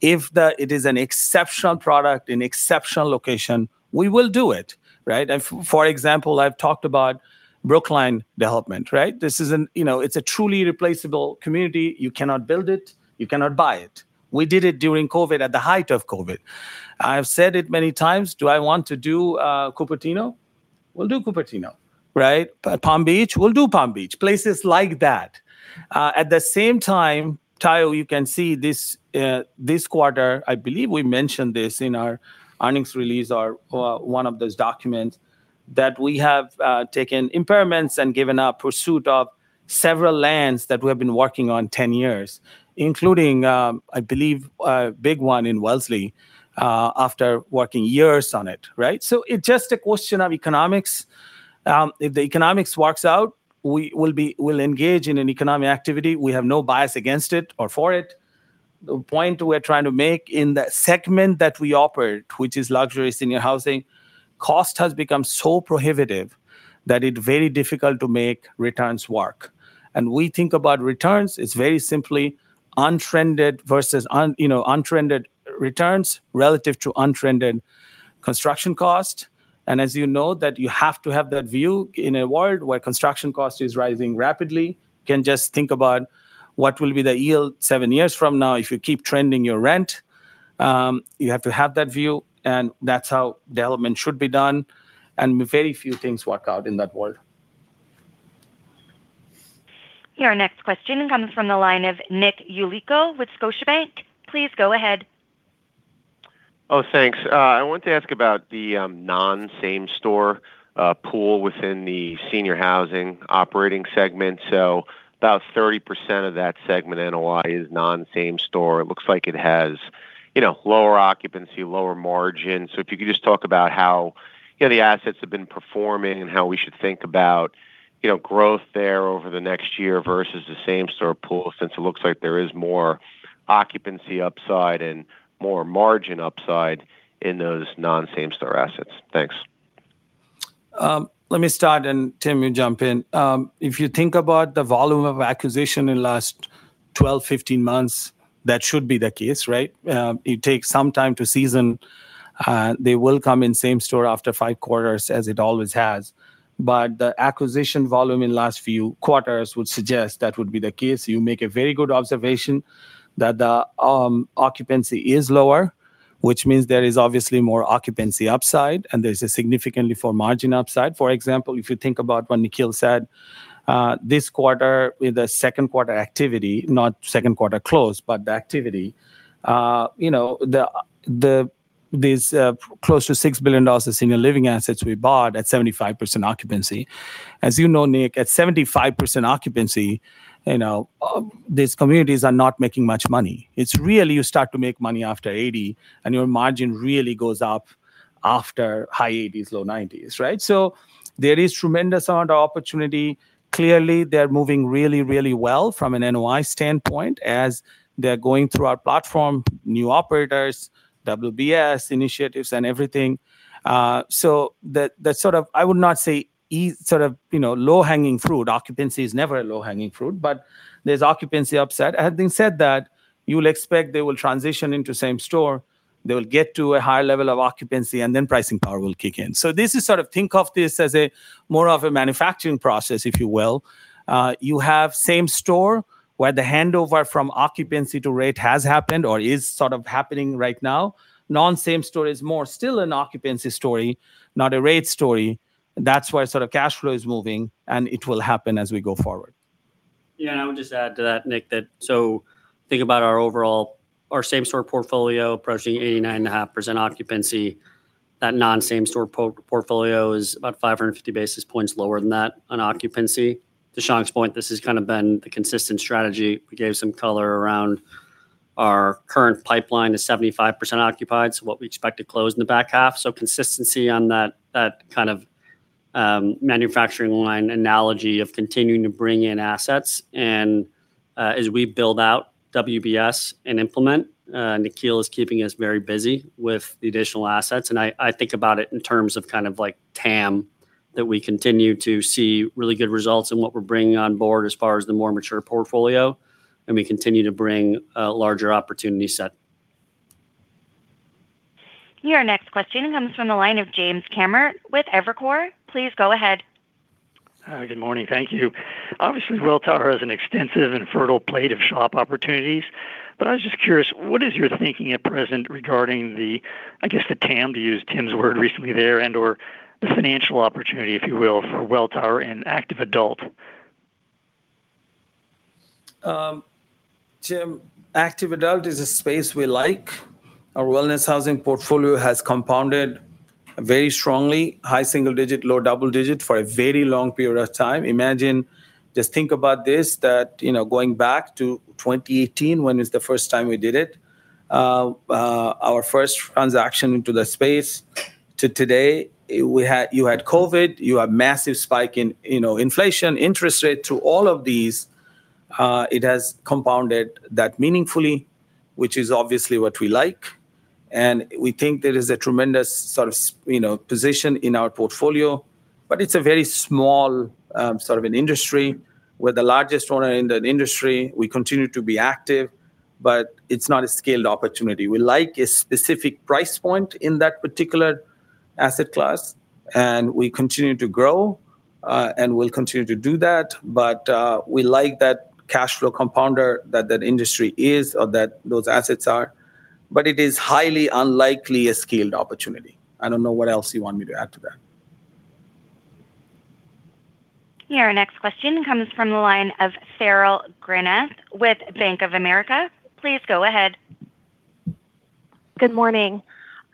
If it is an exceptional product in exceptional location, we will do it. Right? For example, I've talked about Brookline development, right? It's a truly irreplaceable community. You cannot build it, you cannot buy it. We did it during COVID at the height of COVID. I've said it many times. Do I want to do Cupertino? We'll do Cupertino, right? Palm Beach? We'll do Palm Beach, places like that. At the same time, Tayo, you can see this quarter, I believe we mentioned this in our earnings release or one of those documents, that we have taken impairments and given up pursuit of several lands that we have been working on 10 years, including, I believe, a big one in Wellesley, after working years on it, right? It's just a question of economics. If the economics works out, we'll engage in an economic activity. We have no bias against it or for it. The point we're trying to make in that segment that we operate, which is luxury senior housing, cost has become so prohibitive that it's very difficult to make returns work. We think about returns, it's very simply untrended versus untrended returns relative to untrended construction cost. As you know, that you have to have that view in a world where construction cost is rising rapidly. You can just think about what will be the yield seven years from now if you keep trending your rent. You have to have that view, and that's how development should be done. Very few things work out in that world. Your next question comes from the line of Nick Yulico with Scotiabank. Please go ahead. Thanks. I want to ask about the non-same-store pool within the Senior Housing Operating segment. About 30% of that segment NOI is non-same-store. It looks like it has lower occupancy, lower margin. If you could just talk about how the assets have been performing and how we should think about growth there over the next year versus the same-store pool, since it looks like there is more occupancy upside and more margin upside in those non-same-store assets. Thanks. Let me start, Tim, you jump in. If you think about the volume of acquisition in last 12, 15 months, that should be the case, right? It takes some time to season. They will come in same-store after five quarters as it always has. The acquisition volume in last few quarters would suggest that would be the case. You make a very good observation that the occupancy is lower, which means there is obviously more occupancy upside, and there's a significantly for margin upside. For example, if you think about what Nikhil said, this quarter with the second quarter activity, not second quarter close, but the activity. These close to $6 billion of senior living assets we bought at 75% occupancy. As you know Nick, at 75% occupancy, these communities are not making much money. It's really you start to make money after 80%, and your margin really goes up after high 80s, low 90s, right? There is tremendous amount of opportunity. Clearly, they're moving really, really well from an NOI standpoint as they're going through our platform, new operators, WBS initiatives and everything. That sort of, I would not say sort of low-hanging fruit. Occupancy is never a low-hanging fruit, there's occupancy upside. Having said that, you'll expect they will transition into same-store. They will get to a high level of occupancy, and then pricing power will kick in. Think of this as a more of a manufacturing process, if you will. You have same-store where the handover from occupancy to rate has happened or is sort of happening right now. Non-same-store is more still an occupancy story, not a rate story. That's where sort of cash flow is moving, and it will happen as we go forward. Yeah, and I would just add to that, Nick, that so think about our same-store portfolio approaching 89.5% occupancy. That non-same-store portfolio is about 550 basis points lower than that on occupancy. To Shankh's point, this has kind of been the consistent strategy. We gave some color around our current pipeline is 75% occupied, so what we expect to close in the back half. Consistency on that kind of manufacturing line analogy of continuing to bring in assets. As we build out WBS and implement, Nikhil is keeping us very busy with the additional assets. I think about it in terms of kind of like TAM, that we continue to see really good results in what we're bringing on board as far as the more mature portfolio. We continue to bring a larger opportunity set. Your next question comes from the line of James Kammert with Evercore. Please go ahead. Hi, good morning. Thank you. Obviously, Welltower has an extensive and fertile plate of SHOP opportunities, but I was just curious, what is your thinking at present regarding the TAM, to use Tim's word recently there, and/or the financial opportunity, if you will, for Welltower in active adult? Tim, active adult is a space we like. Our wellness housing portfolio has compounded very strongly, high-single-digit, low-double-digit for a very long period of time. Imagine, just think about this, that going back to 2018, when it's the first time we did it, our first transaction into the space to today. You had COVID, you have massive spike in inflation, interest rate through all of these. It has compounded that meaningfully, which is obviously what we like. We think there is a tremendous sort of position in our portfolio, but it's a very small sort of an industry. We're the largest owner in the industry. We continue to be active, but it's not a scaled opportunity. We like a specific price point in that particular asset class, we continue to grow, and we'll continue to do that. We like that cash flow compounder that that industry is or that those assets are, but it is highly unlikely a scaled opportunity. I don't know what else you want me to add to that. Your next question comes from the line of Farrell Granath with Bank of America. Please go ahead. Good morning.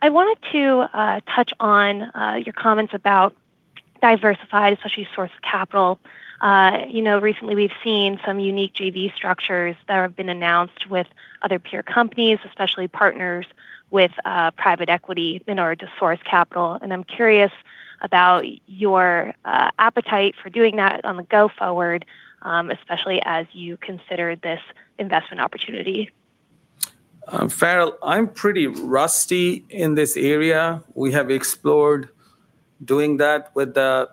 I wanted to touch on your comments about diversified, especially source of capital. Recently we've seen some unique JV structures that have been announced with other peer companies, especially partners with private equity in order to source capital. I'm curious about your appetite for doing that on the go forward, especially as you consider this investment opportunity. Farrell, I'm pretty rusty in this area. We have explored doing that with one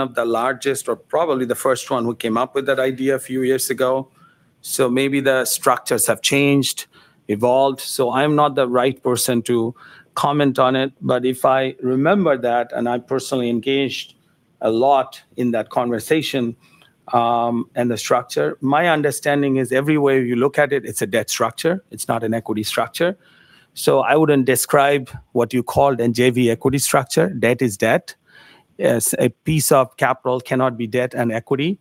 of the largest or probably the first one who came up with that idea a few years ago. Maybe the structures have changed, evolved. I'm not the right person to comment on it. If I remember that, and I personally engaged a lot in that conversation, and the structure. My understanding is everywhere you look at it's a debt structure, it's not an equity structure. I wouldn't describe what you called a JV equity structure. Debt is debt. As a piece of capital cannot be debt and equity,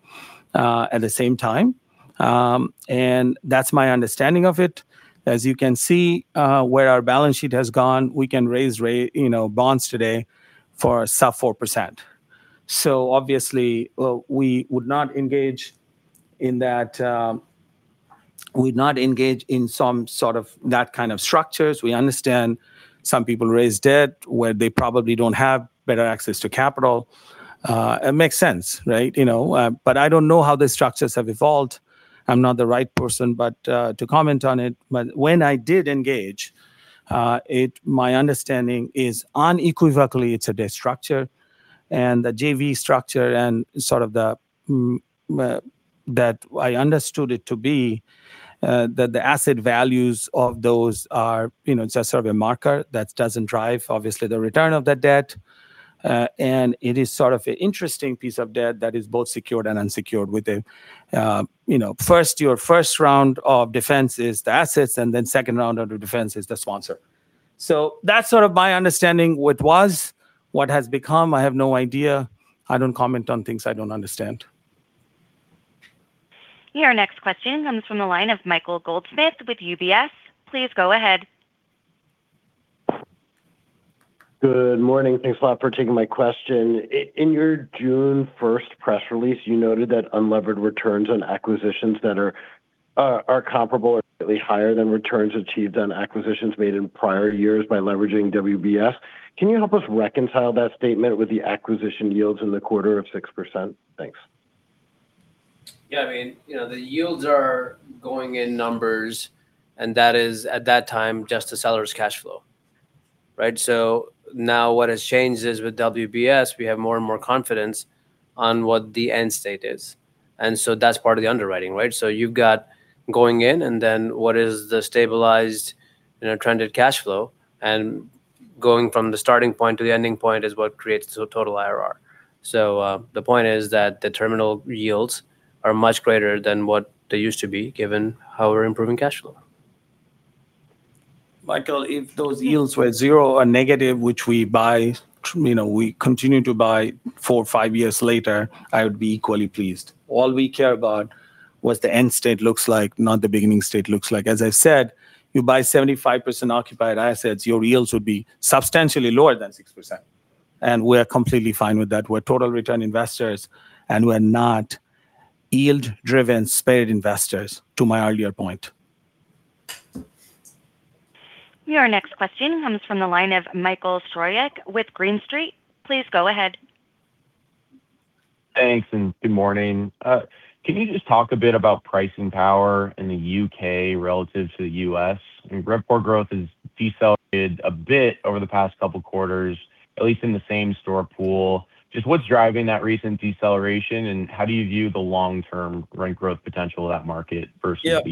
at the same time. That's my understanding of it. As you can see, where our balance sheet has gone, we can raise bonds today for sub 4%. Obviously, we would not engage in some sort of that kind of structures. We understand some people raise debt where they probably don't have better access to capital. It makes sense. I don't know how the structures have evolved. I'm not the right person to comment on it. When I did engage, my understanding is unequivocally it's a debt structure and the JV structure and sort of that I understood it to be, that the asset values of those are sort of a marker that doesn't drive, obviously the return of the debt. It is sort of an interesting piece of debt that is both secured and unsecured with your first round of defense is the assets, and then second round under defense is the sponsor. That's sort of my understanding what was. What has become, I have no idea. I don't comment on things I don't understand. Your next question comes from the line of Michael Goldsmith with UBS. Please go ahead. Good morning. Thanks a lot for taking my question. In your June 1st press release, you noted that unlevered returns on acquisitions that are comparable or slightly higher than returns achieved on acquisitions made in prior years by leveraging WBS. Can you help us reconcile that statement with the acquisition yields in the quarter of 6%? Thanks. The yields are going in numbers, and that is at that time just the seller's cash flow. Right? Now what has changed is with WBS, we have more and more confidence on what the end state is. That's part of the underwriting, right? You've got going in what is the stabilized trended cash flow. Going from the starting point to the ending point is what creates the total IRR. The point is that the terminal yields are much greater than what they used to be, given how we're improving cash flow. Michael, if those yields were zero or negative, which we continue to buy four or five years later, I would be equally pleased. All we care about, what the end state looks like, not the beginning state looks like. As I said, you buy 75% occupied assets, your yields would be substantially lower than 6%. We're completely fine with that. We're total return investors and we're not yield driven spread investors to my earlier point. Your next question comes from the line of Michael Stroyeck with Green Street. Please go ahead. Thanks and good morning. Can you just talk a bit about pricing power in the U.K. relative to the U.S.? RevPOR growth has decelerated a bit over the past couple quarters, at least in the same-store pool. What's driving that recent deceleration, and how do you view the long-term rent growth potential of that market versus- Yeah the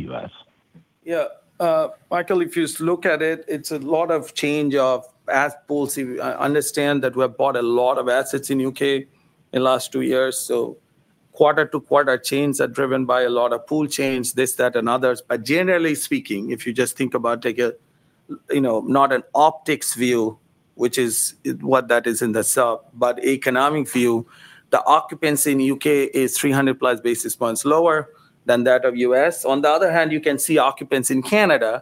U.S.? Michael, if you look at it's a lot of change of asset pools. You understand that we have bought a lot of assets in U.K. in last two years. Quarter-to-quarter chains are driven by a lot of pool chains, this, that, and others. Generally speaking, if you just think about, take not an optics view, which is what that is in itself, but economic view, the occupancy in U.K. is 300-plus basis points lower than that of U.S.. On the other hand, you can see occupancy in Canada,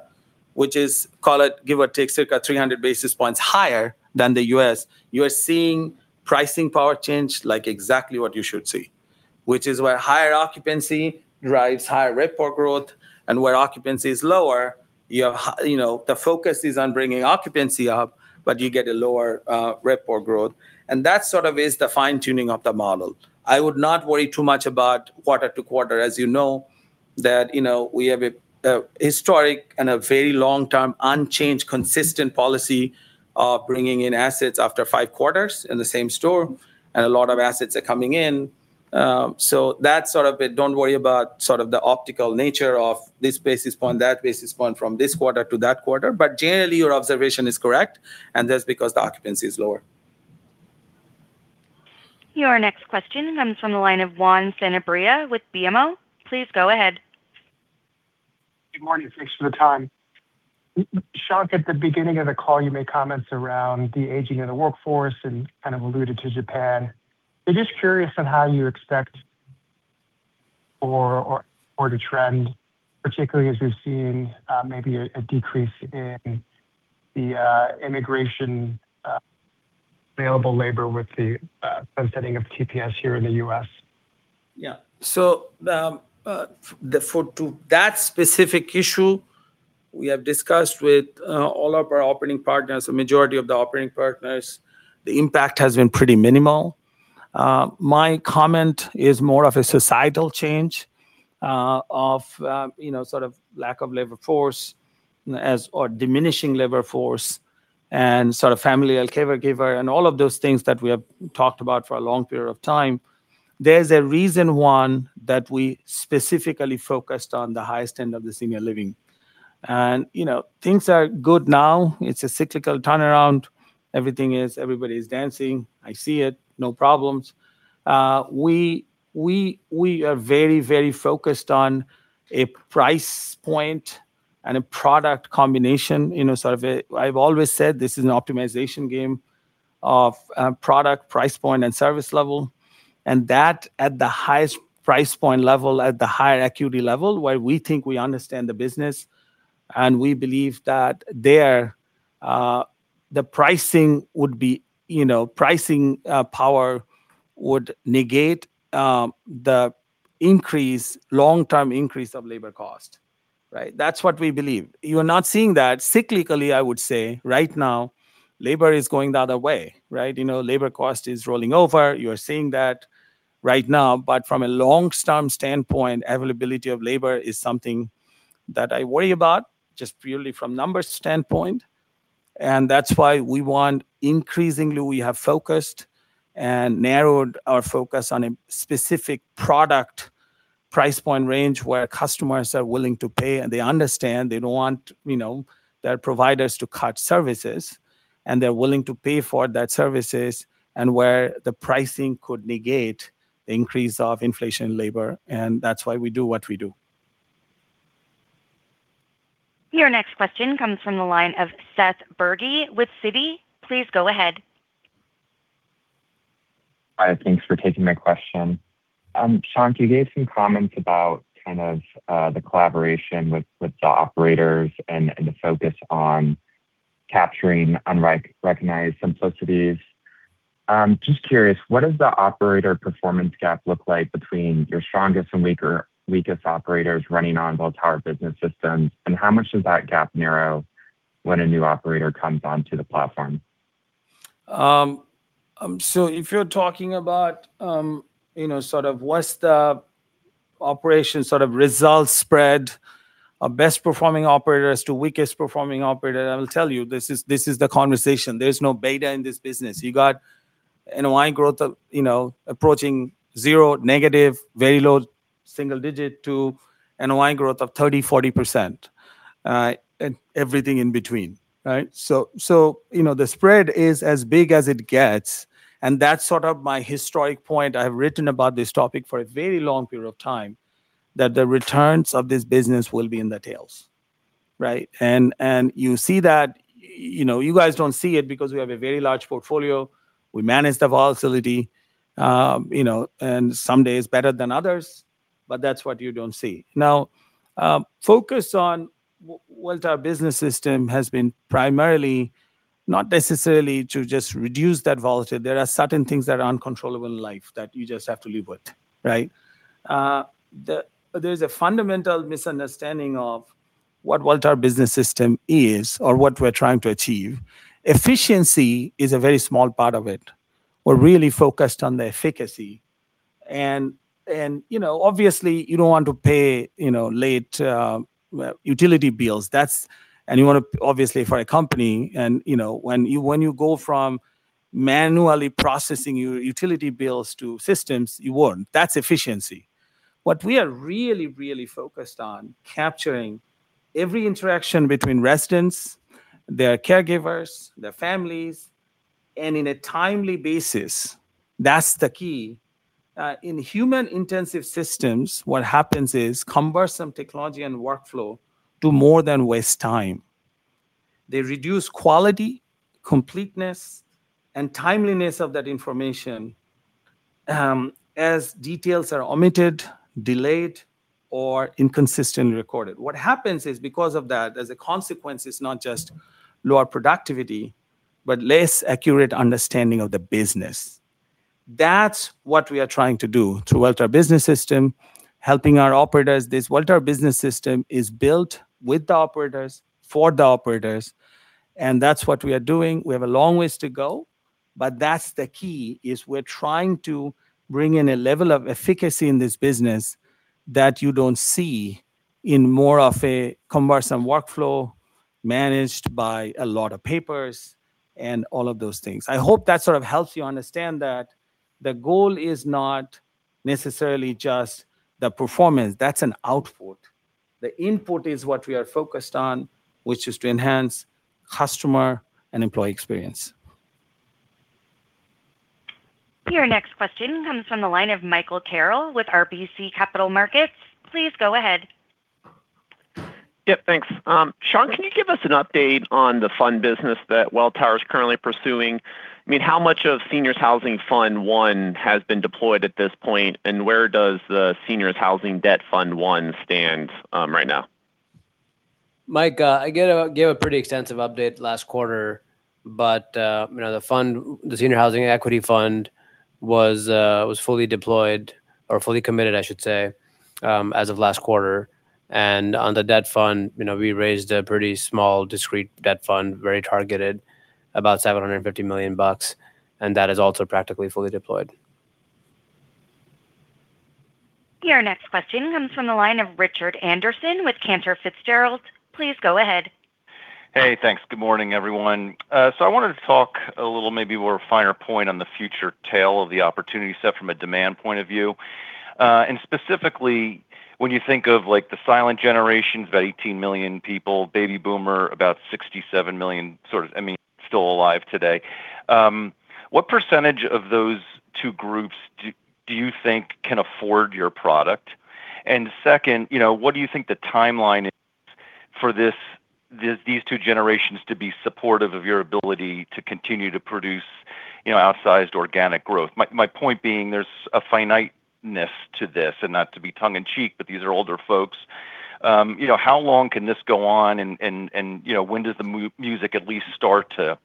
which is, call it, give or take, circa 300 basis points higher than the U.S.. You are seeing pricing power change, like exactly what you should see. Which is where higher occupancy drives higher RevPOR growth, and where occupancy is lower, the focus is on bringing occupancy up, but you get a lower RevPOR growth. That sort of is the fine-tuning of the model. I would not worry too much about quarter-to-quarter. As you know that, we have a historic and a very long-term unchanged consistent policy of bringing in assets after five quarters in the same-store and a lot of assets are coming in. That sort of bit, don't worry about the optical nature of this basis point, that basis point from this quarter to that quarter. Generally, your observation is correct, and that's because the occupancy is lower. Your next question comes from the line of Juan Sanabria with BMO. Please go ahead. Good morning. Thanks for the time. Shankh, at the beginning of the call, you made comments around the aging of the workforce and kind of alluded to Japan. I am just curious on how you expect or the trend, particularly as we are seeing maybe a decrease in the immigration available labor with the offsetting of TPS here in the U.S.. Yeah. To that specific issue, we have discussed with all of our operating partners, a majority of the operating partners, the impact has been pretty minimal. My comment is more of a societal change, of sort of lack of labor force as, or diminishing labor force and sort of family caregiver and all of those things that we have talked about for a long period of time. There is a reason, one, that we specifically focused on the highest end of the senior living. Things are good now. It is a cyclical turnaround. Everything is, everybody is dancing. I see it. No problems. We are very focused on a price point and a product combination. I have always said this is an optimization game of product price point and service level. That at the highest price point level, at the higher acuity level, where we think we understand the business, and we believe that there, the pricing power would negate the long-term increase of labor cost. Right? That is what we believe. You are not seeing that. Cyclically, I would say right now, labor is going the other way, right? Labor cost is rolling over. You are seeing that right now. From a long-term standpoint, availability of labor is something that I worry about just purely from numbers standpoint. That is why increasingly we have focused and narrowed our focus on a specific product price point range where customers are willing to pay and they understand they do not want their providers to cut services, and they are willing to pay for that services, and where the pricing could negate the increase of inflation labor. That is why we do what we do. Your next question comes from the line of Seth Bergey with Citi. Please go ahead. Hi, thanks for taking my question. Shankh, you gave some comments about kind of, the collaboration with the operators and the focus on capturing unrecognized simplicities. Just curious, what does the operator performance gap look like between your strongest and weakest operators running on Welltower Business System, and how much does that gap narrow when a new operator comes onto the platform? If you're talking about what's the operation sort of results spread of best performing operators to weakest performing operator, I will tell you, this is the conversation. There's no beta in this business. You got NOI growth approaching zero, negative, very low-single-digit to NOI growth of 30%-40%, and everything in between. Right? The spread is as big as it gets, and that's sort of my historic point. I've written about this topic for a very long period of time, that the returns of this business will be in the tails. Right? You see that. You guys don't see it because we have a very large portfolio. We manage the volatility, and some days better than others, but that's what you don't see. Now, focus on what our Business System has been primarily not necessarily to just reduce that volatility. There are certain things that are uncontrollable in life that you just have to live with, right? There's a fundamental misunderstanding of what Welltower Business System is or what we're trying to achieve. Efficiency is a very small part of it. We're really focused on the efficacy. Obviously you don't want to pay late utility bills. You want to, obviously, for a company, and when you go from manually processing your utility bills to systems, you won't. That's efficiency. What we are really, really focused on, capturing every interaction between residents, their caregivers, their families, and in a timely basis. That's the key. In human-intensive systems, what happens is cumbersome technology and workflow do more than waste time. They reduce quality, completeness, and timeliness of that information as details are omitted, delayed, or inconsistently recorded. What happens is because of that, as a consequence, it's not just lower productivity, but less accurate understanding of the business. That's what we are trying to do through Welltower Business System, helping our operators. This Welltower Business System is built with the operators, for the operators, and that's what we are doing. We have a long ways to go, but that's the key, is we're trying to bring in a level of efficacy in this business that you don't see in more of a cumbersome workflow managed by a lot of papers and all of those things. I hope that sort of helps you understand that the goal is not necessarily just the performance. That's an output. The input is what we are focused on, which is to enhance customer and employee experience. Your next question comes from the line of Michael Carroll with RBC Capital Markets. Please go ahead. Yep, thanks. Shankh, can you give us an update on the fund business that Welltower's currently pursuing? How much of Seniors Housing Fund I has been deployed at this point, and where does the Seniors Housing Debt Fund I stand right now? Mike, I gave a pretty extensive update last quarter, the Senior Housing Equity Fund was fully deployed or fully committed, I should say, as of last quarter. On the debt fund, we raised a pretty small, discrete debt fund, very targeted, about $750 million. That is also practically fully deployed. Your next question comes from the line of Richard Anderson with Cantor Fitzgerald. Please go ahead. Hey, thanks. Good morning, everyone. I wanted to talk a little, maybe more finer point on the future tale of the opportunity set from a demand point of view. Specifically, when you think of the Silent Generation of about 18 million people, baby boomer, about 67 million sort of, I mean, still alive today. What percentage of those two groups do you think can afford your product? And second, what do you think the timeline is for these two generations to be supportive of your ability to continue to produce outsized organic growth? My point being there's a finiteness to this, and not to be tongue in cheek, but these are older folks. How long can this go on, and when does the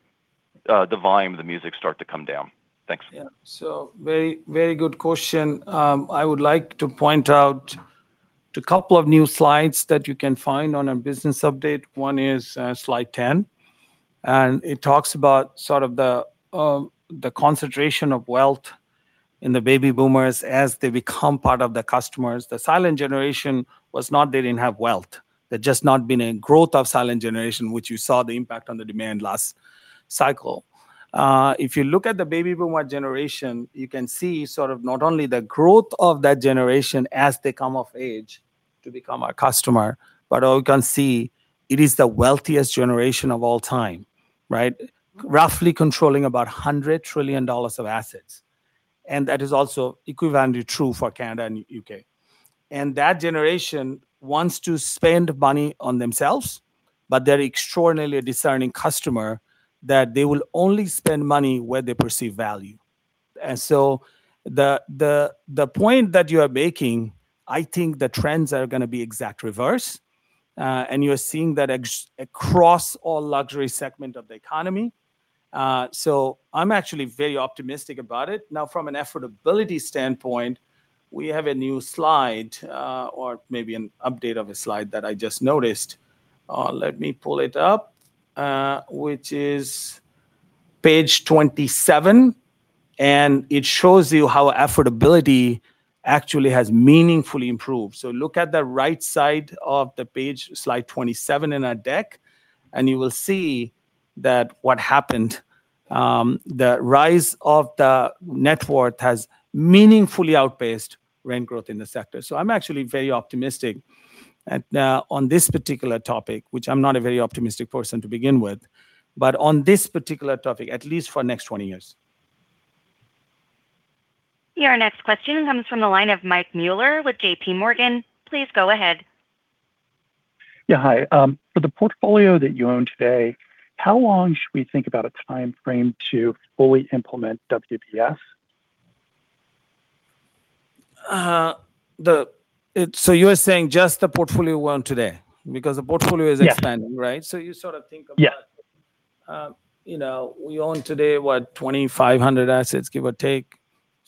volume of the music start to come down? Thanks. Yeah. Very good question. I would like to point out to couple of new slides that you can find on our business update. One is slide 10, and it talks about sort of the concentration of wealth in the baby boomers as they become part of the customers. The Silent Generation, they didn't have wealth. There's just not been a growth of Silent Generation, which you saw the impact on the demand last cycle. If you look at the baby boomer generation, you can see sort of not only the growth of that generation as they come of age to become our customer, but you can see it is the wealthiest generation of all time. Right? Roughly controlling about $100 trillion of assets. That is also equivalently true for Canada and U.K.. That generation wants to spend money on themselves, but they're extraordinarily discerning customer that they will only spend money where they perceive value. The point that you are making, I think the trends are going to be exact reverse. You're seeing that across all luxury segment of the economy. I'm actually very optimistic about it. Now from an affordability standpoint, we have a new slide, or maybe an update of a slide that I just noticed. Let me pull it up, which is page 27, and it shows you how affordability actually has meaningfully improved. Look at the right side of the page, slide 27 in our deck, and you will see that what happened. The rise of the net worth has meaningfully outpaced rent growth in the sector. I'm actually very optimistic on this particular topic, which I'm not a very optimistic person to begin with. On this particular topic, at least for next 20 years. Your next question comes from the line of Mike Mueller with JPMorgan. Please go ahead. Yeah, hi. For the portfolio that you own today, how long should we think about a timeframe to fully implement WBS? You are saying just the portfolio we own today? Because the portfolio is expanding. Yeah right? Yeah We own today, what, 2,500 assets, give or take.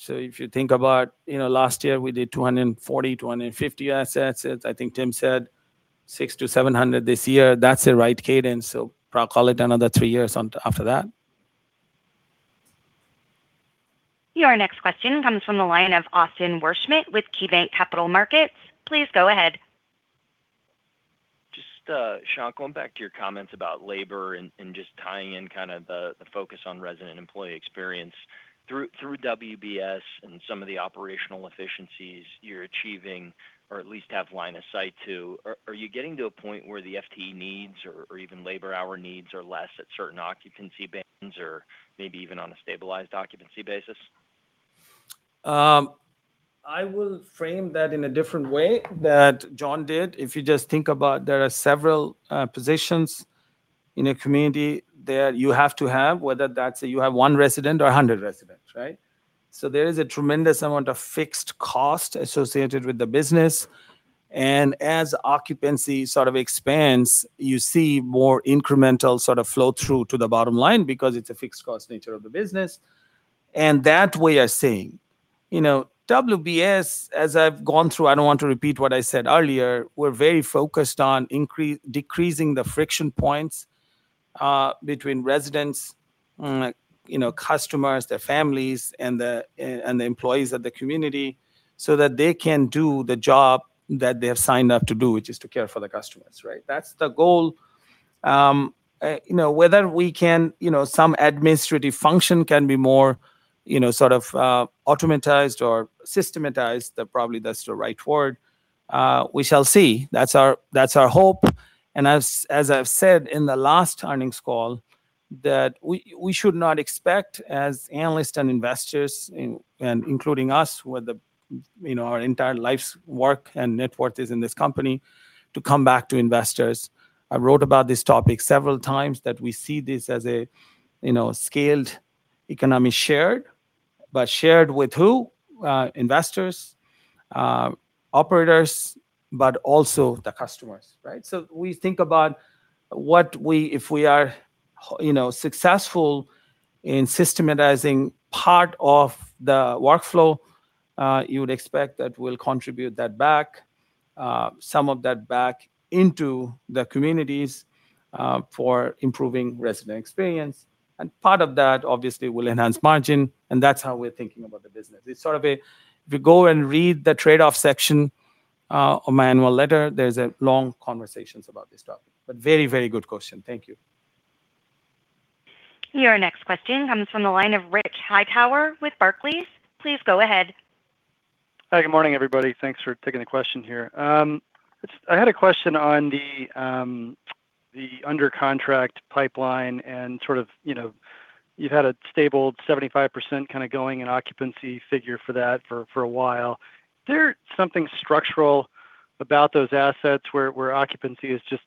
If you think about last year, we did 240-250 assets, as I think Tim said. 600-700 this year. That's the right cadence, I'll call it another three years after that. Your next question comes from the line of Austin Wurschmidt with KeyBanc Capital Markets. Please go ahead. Just, Shankh, going back to your comments about labor and just tying in kind of the focus on resident employee experience. Through WBS and some of the operational efficiencies you're achieving or at least have line of sight to, are you getting to a point where the FTE needs or even labor hour needs are less at certain occupancy bands or maybe even on a stabilized occupancy basis? I will frame that in a different way that John did. If you just think about there are several positions in a community that you have to have, whether that's you have one resident or 100 residents, right? There is a tremendous amount of fixed cost associated with the business. As occupancy sort of expands, you see more incremental sort of flow through to the bottom line because it's a fixed cost nature of the business. That we are seeing. WBS, as I've gone through, I don't want to repeat what I said earlier, we're very focused on decreasing the friction points between residents, customers, their families, and the employees of the community, so that they can do the job that they have signed up to do, which is to care for the customers, right? That's the goal. Whether some administrative function can be more automatized or systematized, probably that's the right word, we shall see. That's our hope, and as I've said in the last earnings call, that we should not expect as analysts and investors, and including us with our entire life's work and net worth is in this company, to come back to investors. I wrote about this topic several times, that we see this as a scaled economic shared, but shared with who? Investors, operators, but also the customers, right? We think about if we are successful in systematizing part of the workflow, you would expect that we'll contribute some of that back into the communities, for improving resident experience. Part of that obviously will enhance margin, and that's how we're thinking about the business. If you go and read the trade-off section of my annual letter, there's long conversations about this topic. Very good question. Thank you. Your next question comes from the line of Rich Hightower with Barclays. Please go ahead. Hi, good morning, everybody. Thanks for taking the question here. I had a question on the under contract pipeline and sort of, you've had a stable 75% kind of going in occupancy figure for that for a while. Is there something structural about those assets where occupancy is just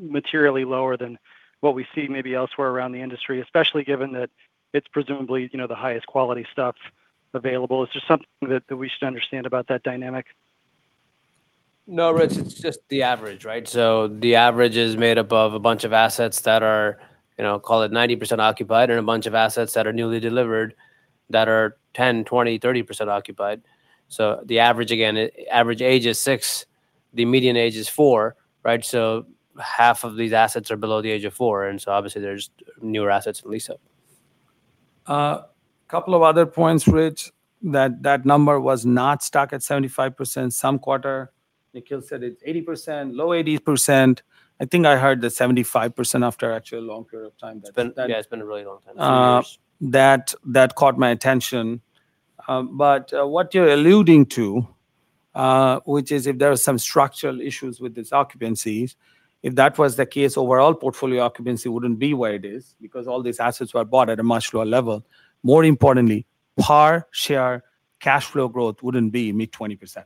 materially lower than what we see maybe elsewhere around the industry, especially given that it's presumably the highest quality stuff available? Is there something that we should understand about that dynamic? No, Rich, it's just the average, right? The average is made up of a bunch of assets that are call it 90% occupied and a bunch of assets that are newly delivered that are 10%, 20%, 30% occupied. The average age is six, the median age is four, right? Half of these assets are below the age of four, and so obviously there's newer assets to lease up. A couple of other points, Rich, that that number was not stuck at 75% some quarter. Nikhil said it's 80%, low 80%. I think I heard the 75% after actually a long period of time. Yeah, it's been a really long time. Some years. That caught my attention. What you're alluding to is if there are some structural issues with these occupancies. If that was the case, overall portfolio occupancy wouldn't be where it is because all these assets were bought at a much lower level. More importantly, par share cash flow growth wouldn't be mid-20%,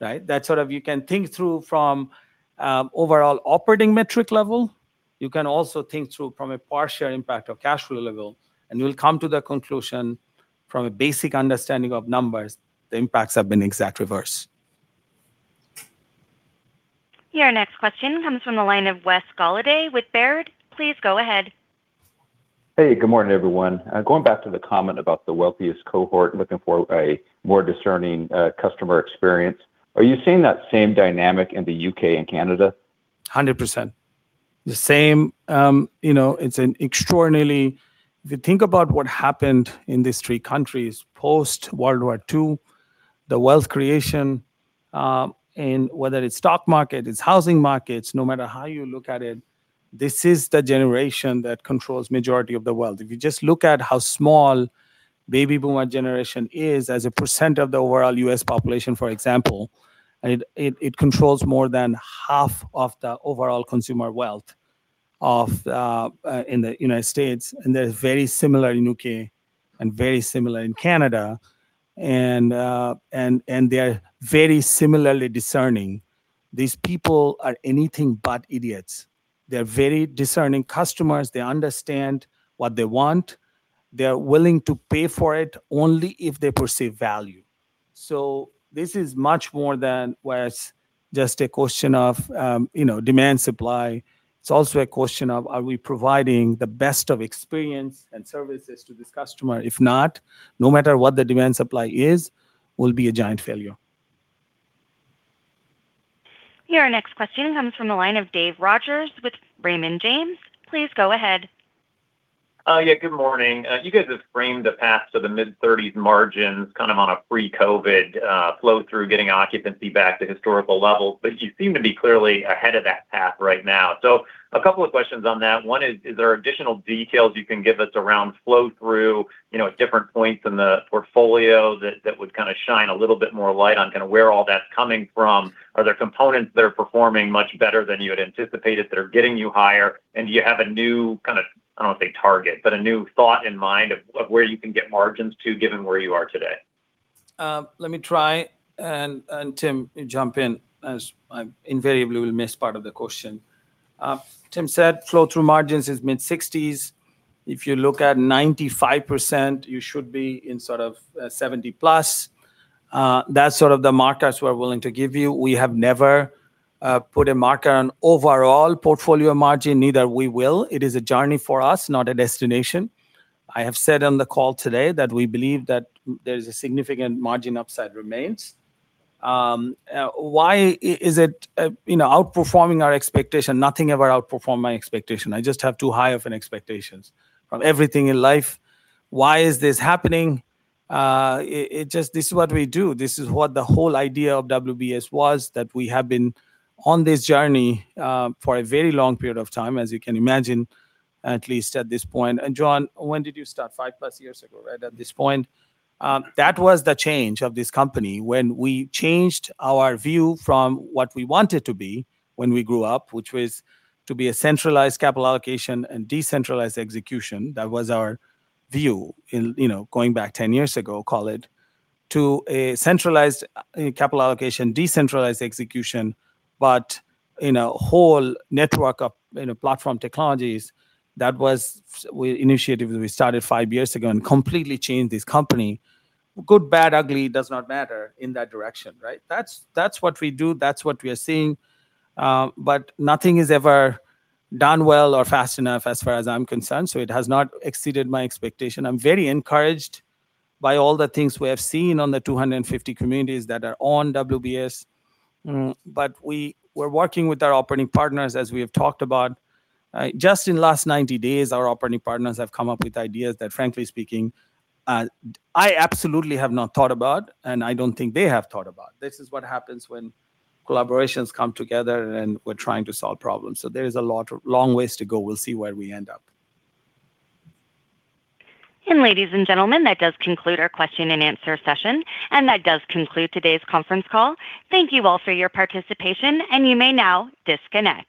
right? You can think through from overall operating metric level. You can also think through from a par share impact of cash flow level. You'll come to the conclusion from a basic understanding of numbers, the impacts have been exact reverse. Your next question comes from the line of Wes Golladay with Baird. Please go ahead. Hey, good morning, everyone. Going back to the comment about the wealthiest cohort looking for a more discerning customer experience, are you seeing that same dynamic in the U.K. and Canada? 100%. The same. If you think about what happened in these three countries post-World War II, the wealth creation, and whether it's stock market, it's housing markets, no matter how you look at it, this is the generation that controls majority of the wealth. If you just look at how small baby boomer generation is as a percent of the overall U.S. population, for example. It controls more than half of the overall consumer wealth in the United States. They're very similar in the U.K. and very similar in Canada. They are very similarly discerning. These people are anything but idiots. They're very discerning customers. They understand what they want. They're willing to pay for it only if they perceive value. This is much more than where it's just a question of demand, supply. It's also a question of are we providing the best of experience and services to this customer? If not, no matter what the demand supply is, we'll be a giant failure. Your next question comes from the line of Dave Rodgers with Raymond James. Please go ahead. Yeah. Good morning. You guys have framed the path to the mid-30s margins kind of on a pre-COVID flow through getting occupancy back to historical levels. You seem to be clearly ahead of that path right now. A couple of questions on that. One is there additional details you can give us around flow through different points in the portfolio that would kind of shine a little bit more light on kind of where all that's coming from? Are there components that are performing much better than you had anticipated that are getting you higher? Do you have a new kind of, I don't want to say target, but a new thought in mind of where you can get margins to given where you are today? Let me try and, Tim, jump in as I invariably will miss part of the question. Tim said flow through margins is mid-60s. If you look at 95%, you should be in sort of 70+%. That's sort of the markers we're willing to give you. We have never put a marker on overall portfolio margin, neither we will. It is a journey for us, not a destination. I have said on the call today that we believe that there is a significant margin upside remains. Why is it outperforming our expectation? Nothing ever outperformed my expectation. I just have too high of an expectations from everything in life. Why is this happening? This is what we do. This is what the whole idea of WBS was, that we have been on this journey for a very long period of time, as you can imagine, at least at this point. John, when did you start? Five plus years ago, right, at this point. That was the change of this company when we changed our view from what we wanted to be when we grew up, which was to be a centralized capital allocation and decentralized execution. That was our view, going back 10 years ago, call it, to a centralized capital allocation, decentralized execution, but whole network of platform technologies. That was initiatives we started five years ago and completely changed this company. Good, bad, ugly, does not matter in that direction, right? That's what we do, that's what we are seeing. Nothing is ever done well or fast enough as far as I'm concerned, so it has not exceeded my expectation. I'm very encouraged by all the things we have seen on the 250 communities that are on WBS. We're working with our operating partners, as we have talked about. Just in the last 90 days, our operating partners have come up with ideas that, frankly speaking, I absolutely have not thought about, and I don't think they have thought about. This is what happens when collaborations come together and we're trying to solve problems. There is a long ways to go. We'll see where we end up. Ladies and gentlemen, that does conclude our question-and-answer session, and that does conclude today's conference call. Thank you all for your participation, and you may now disconnect.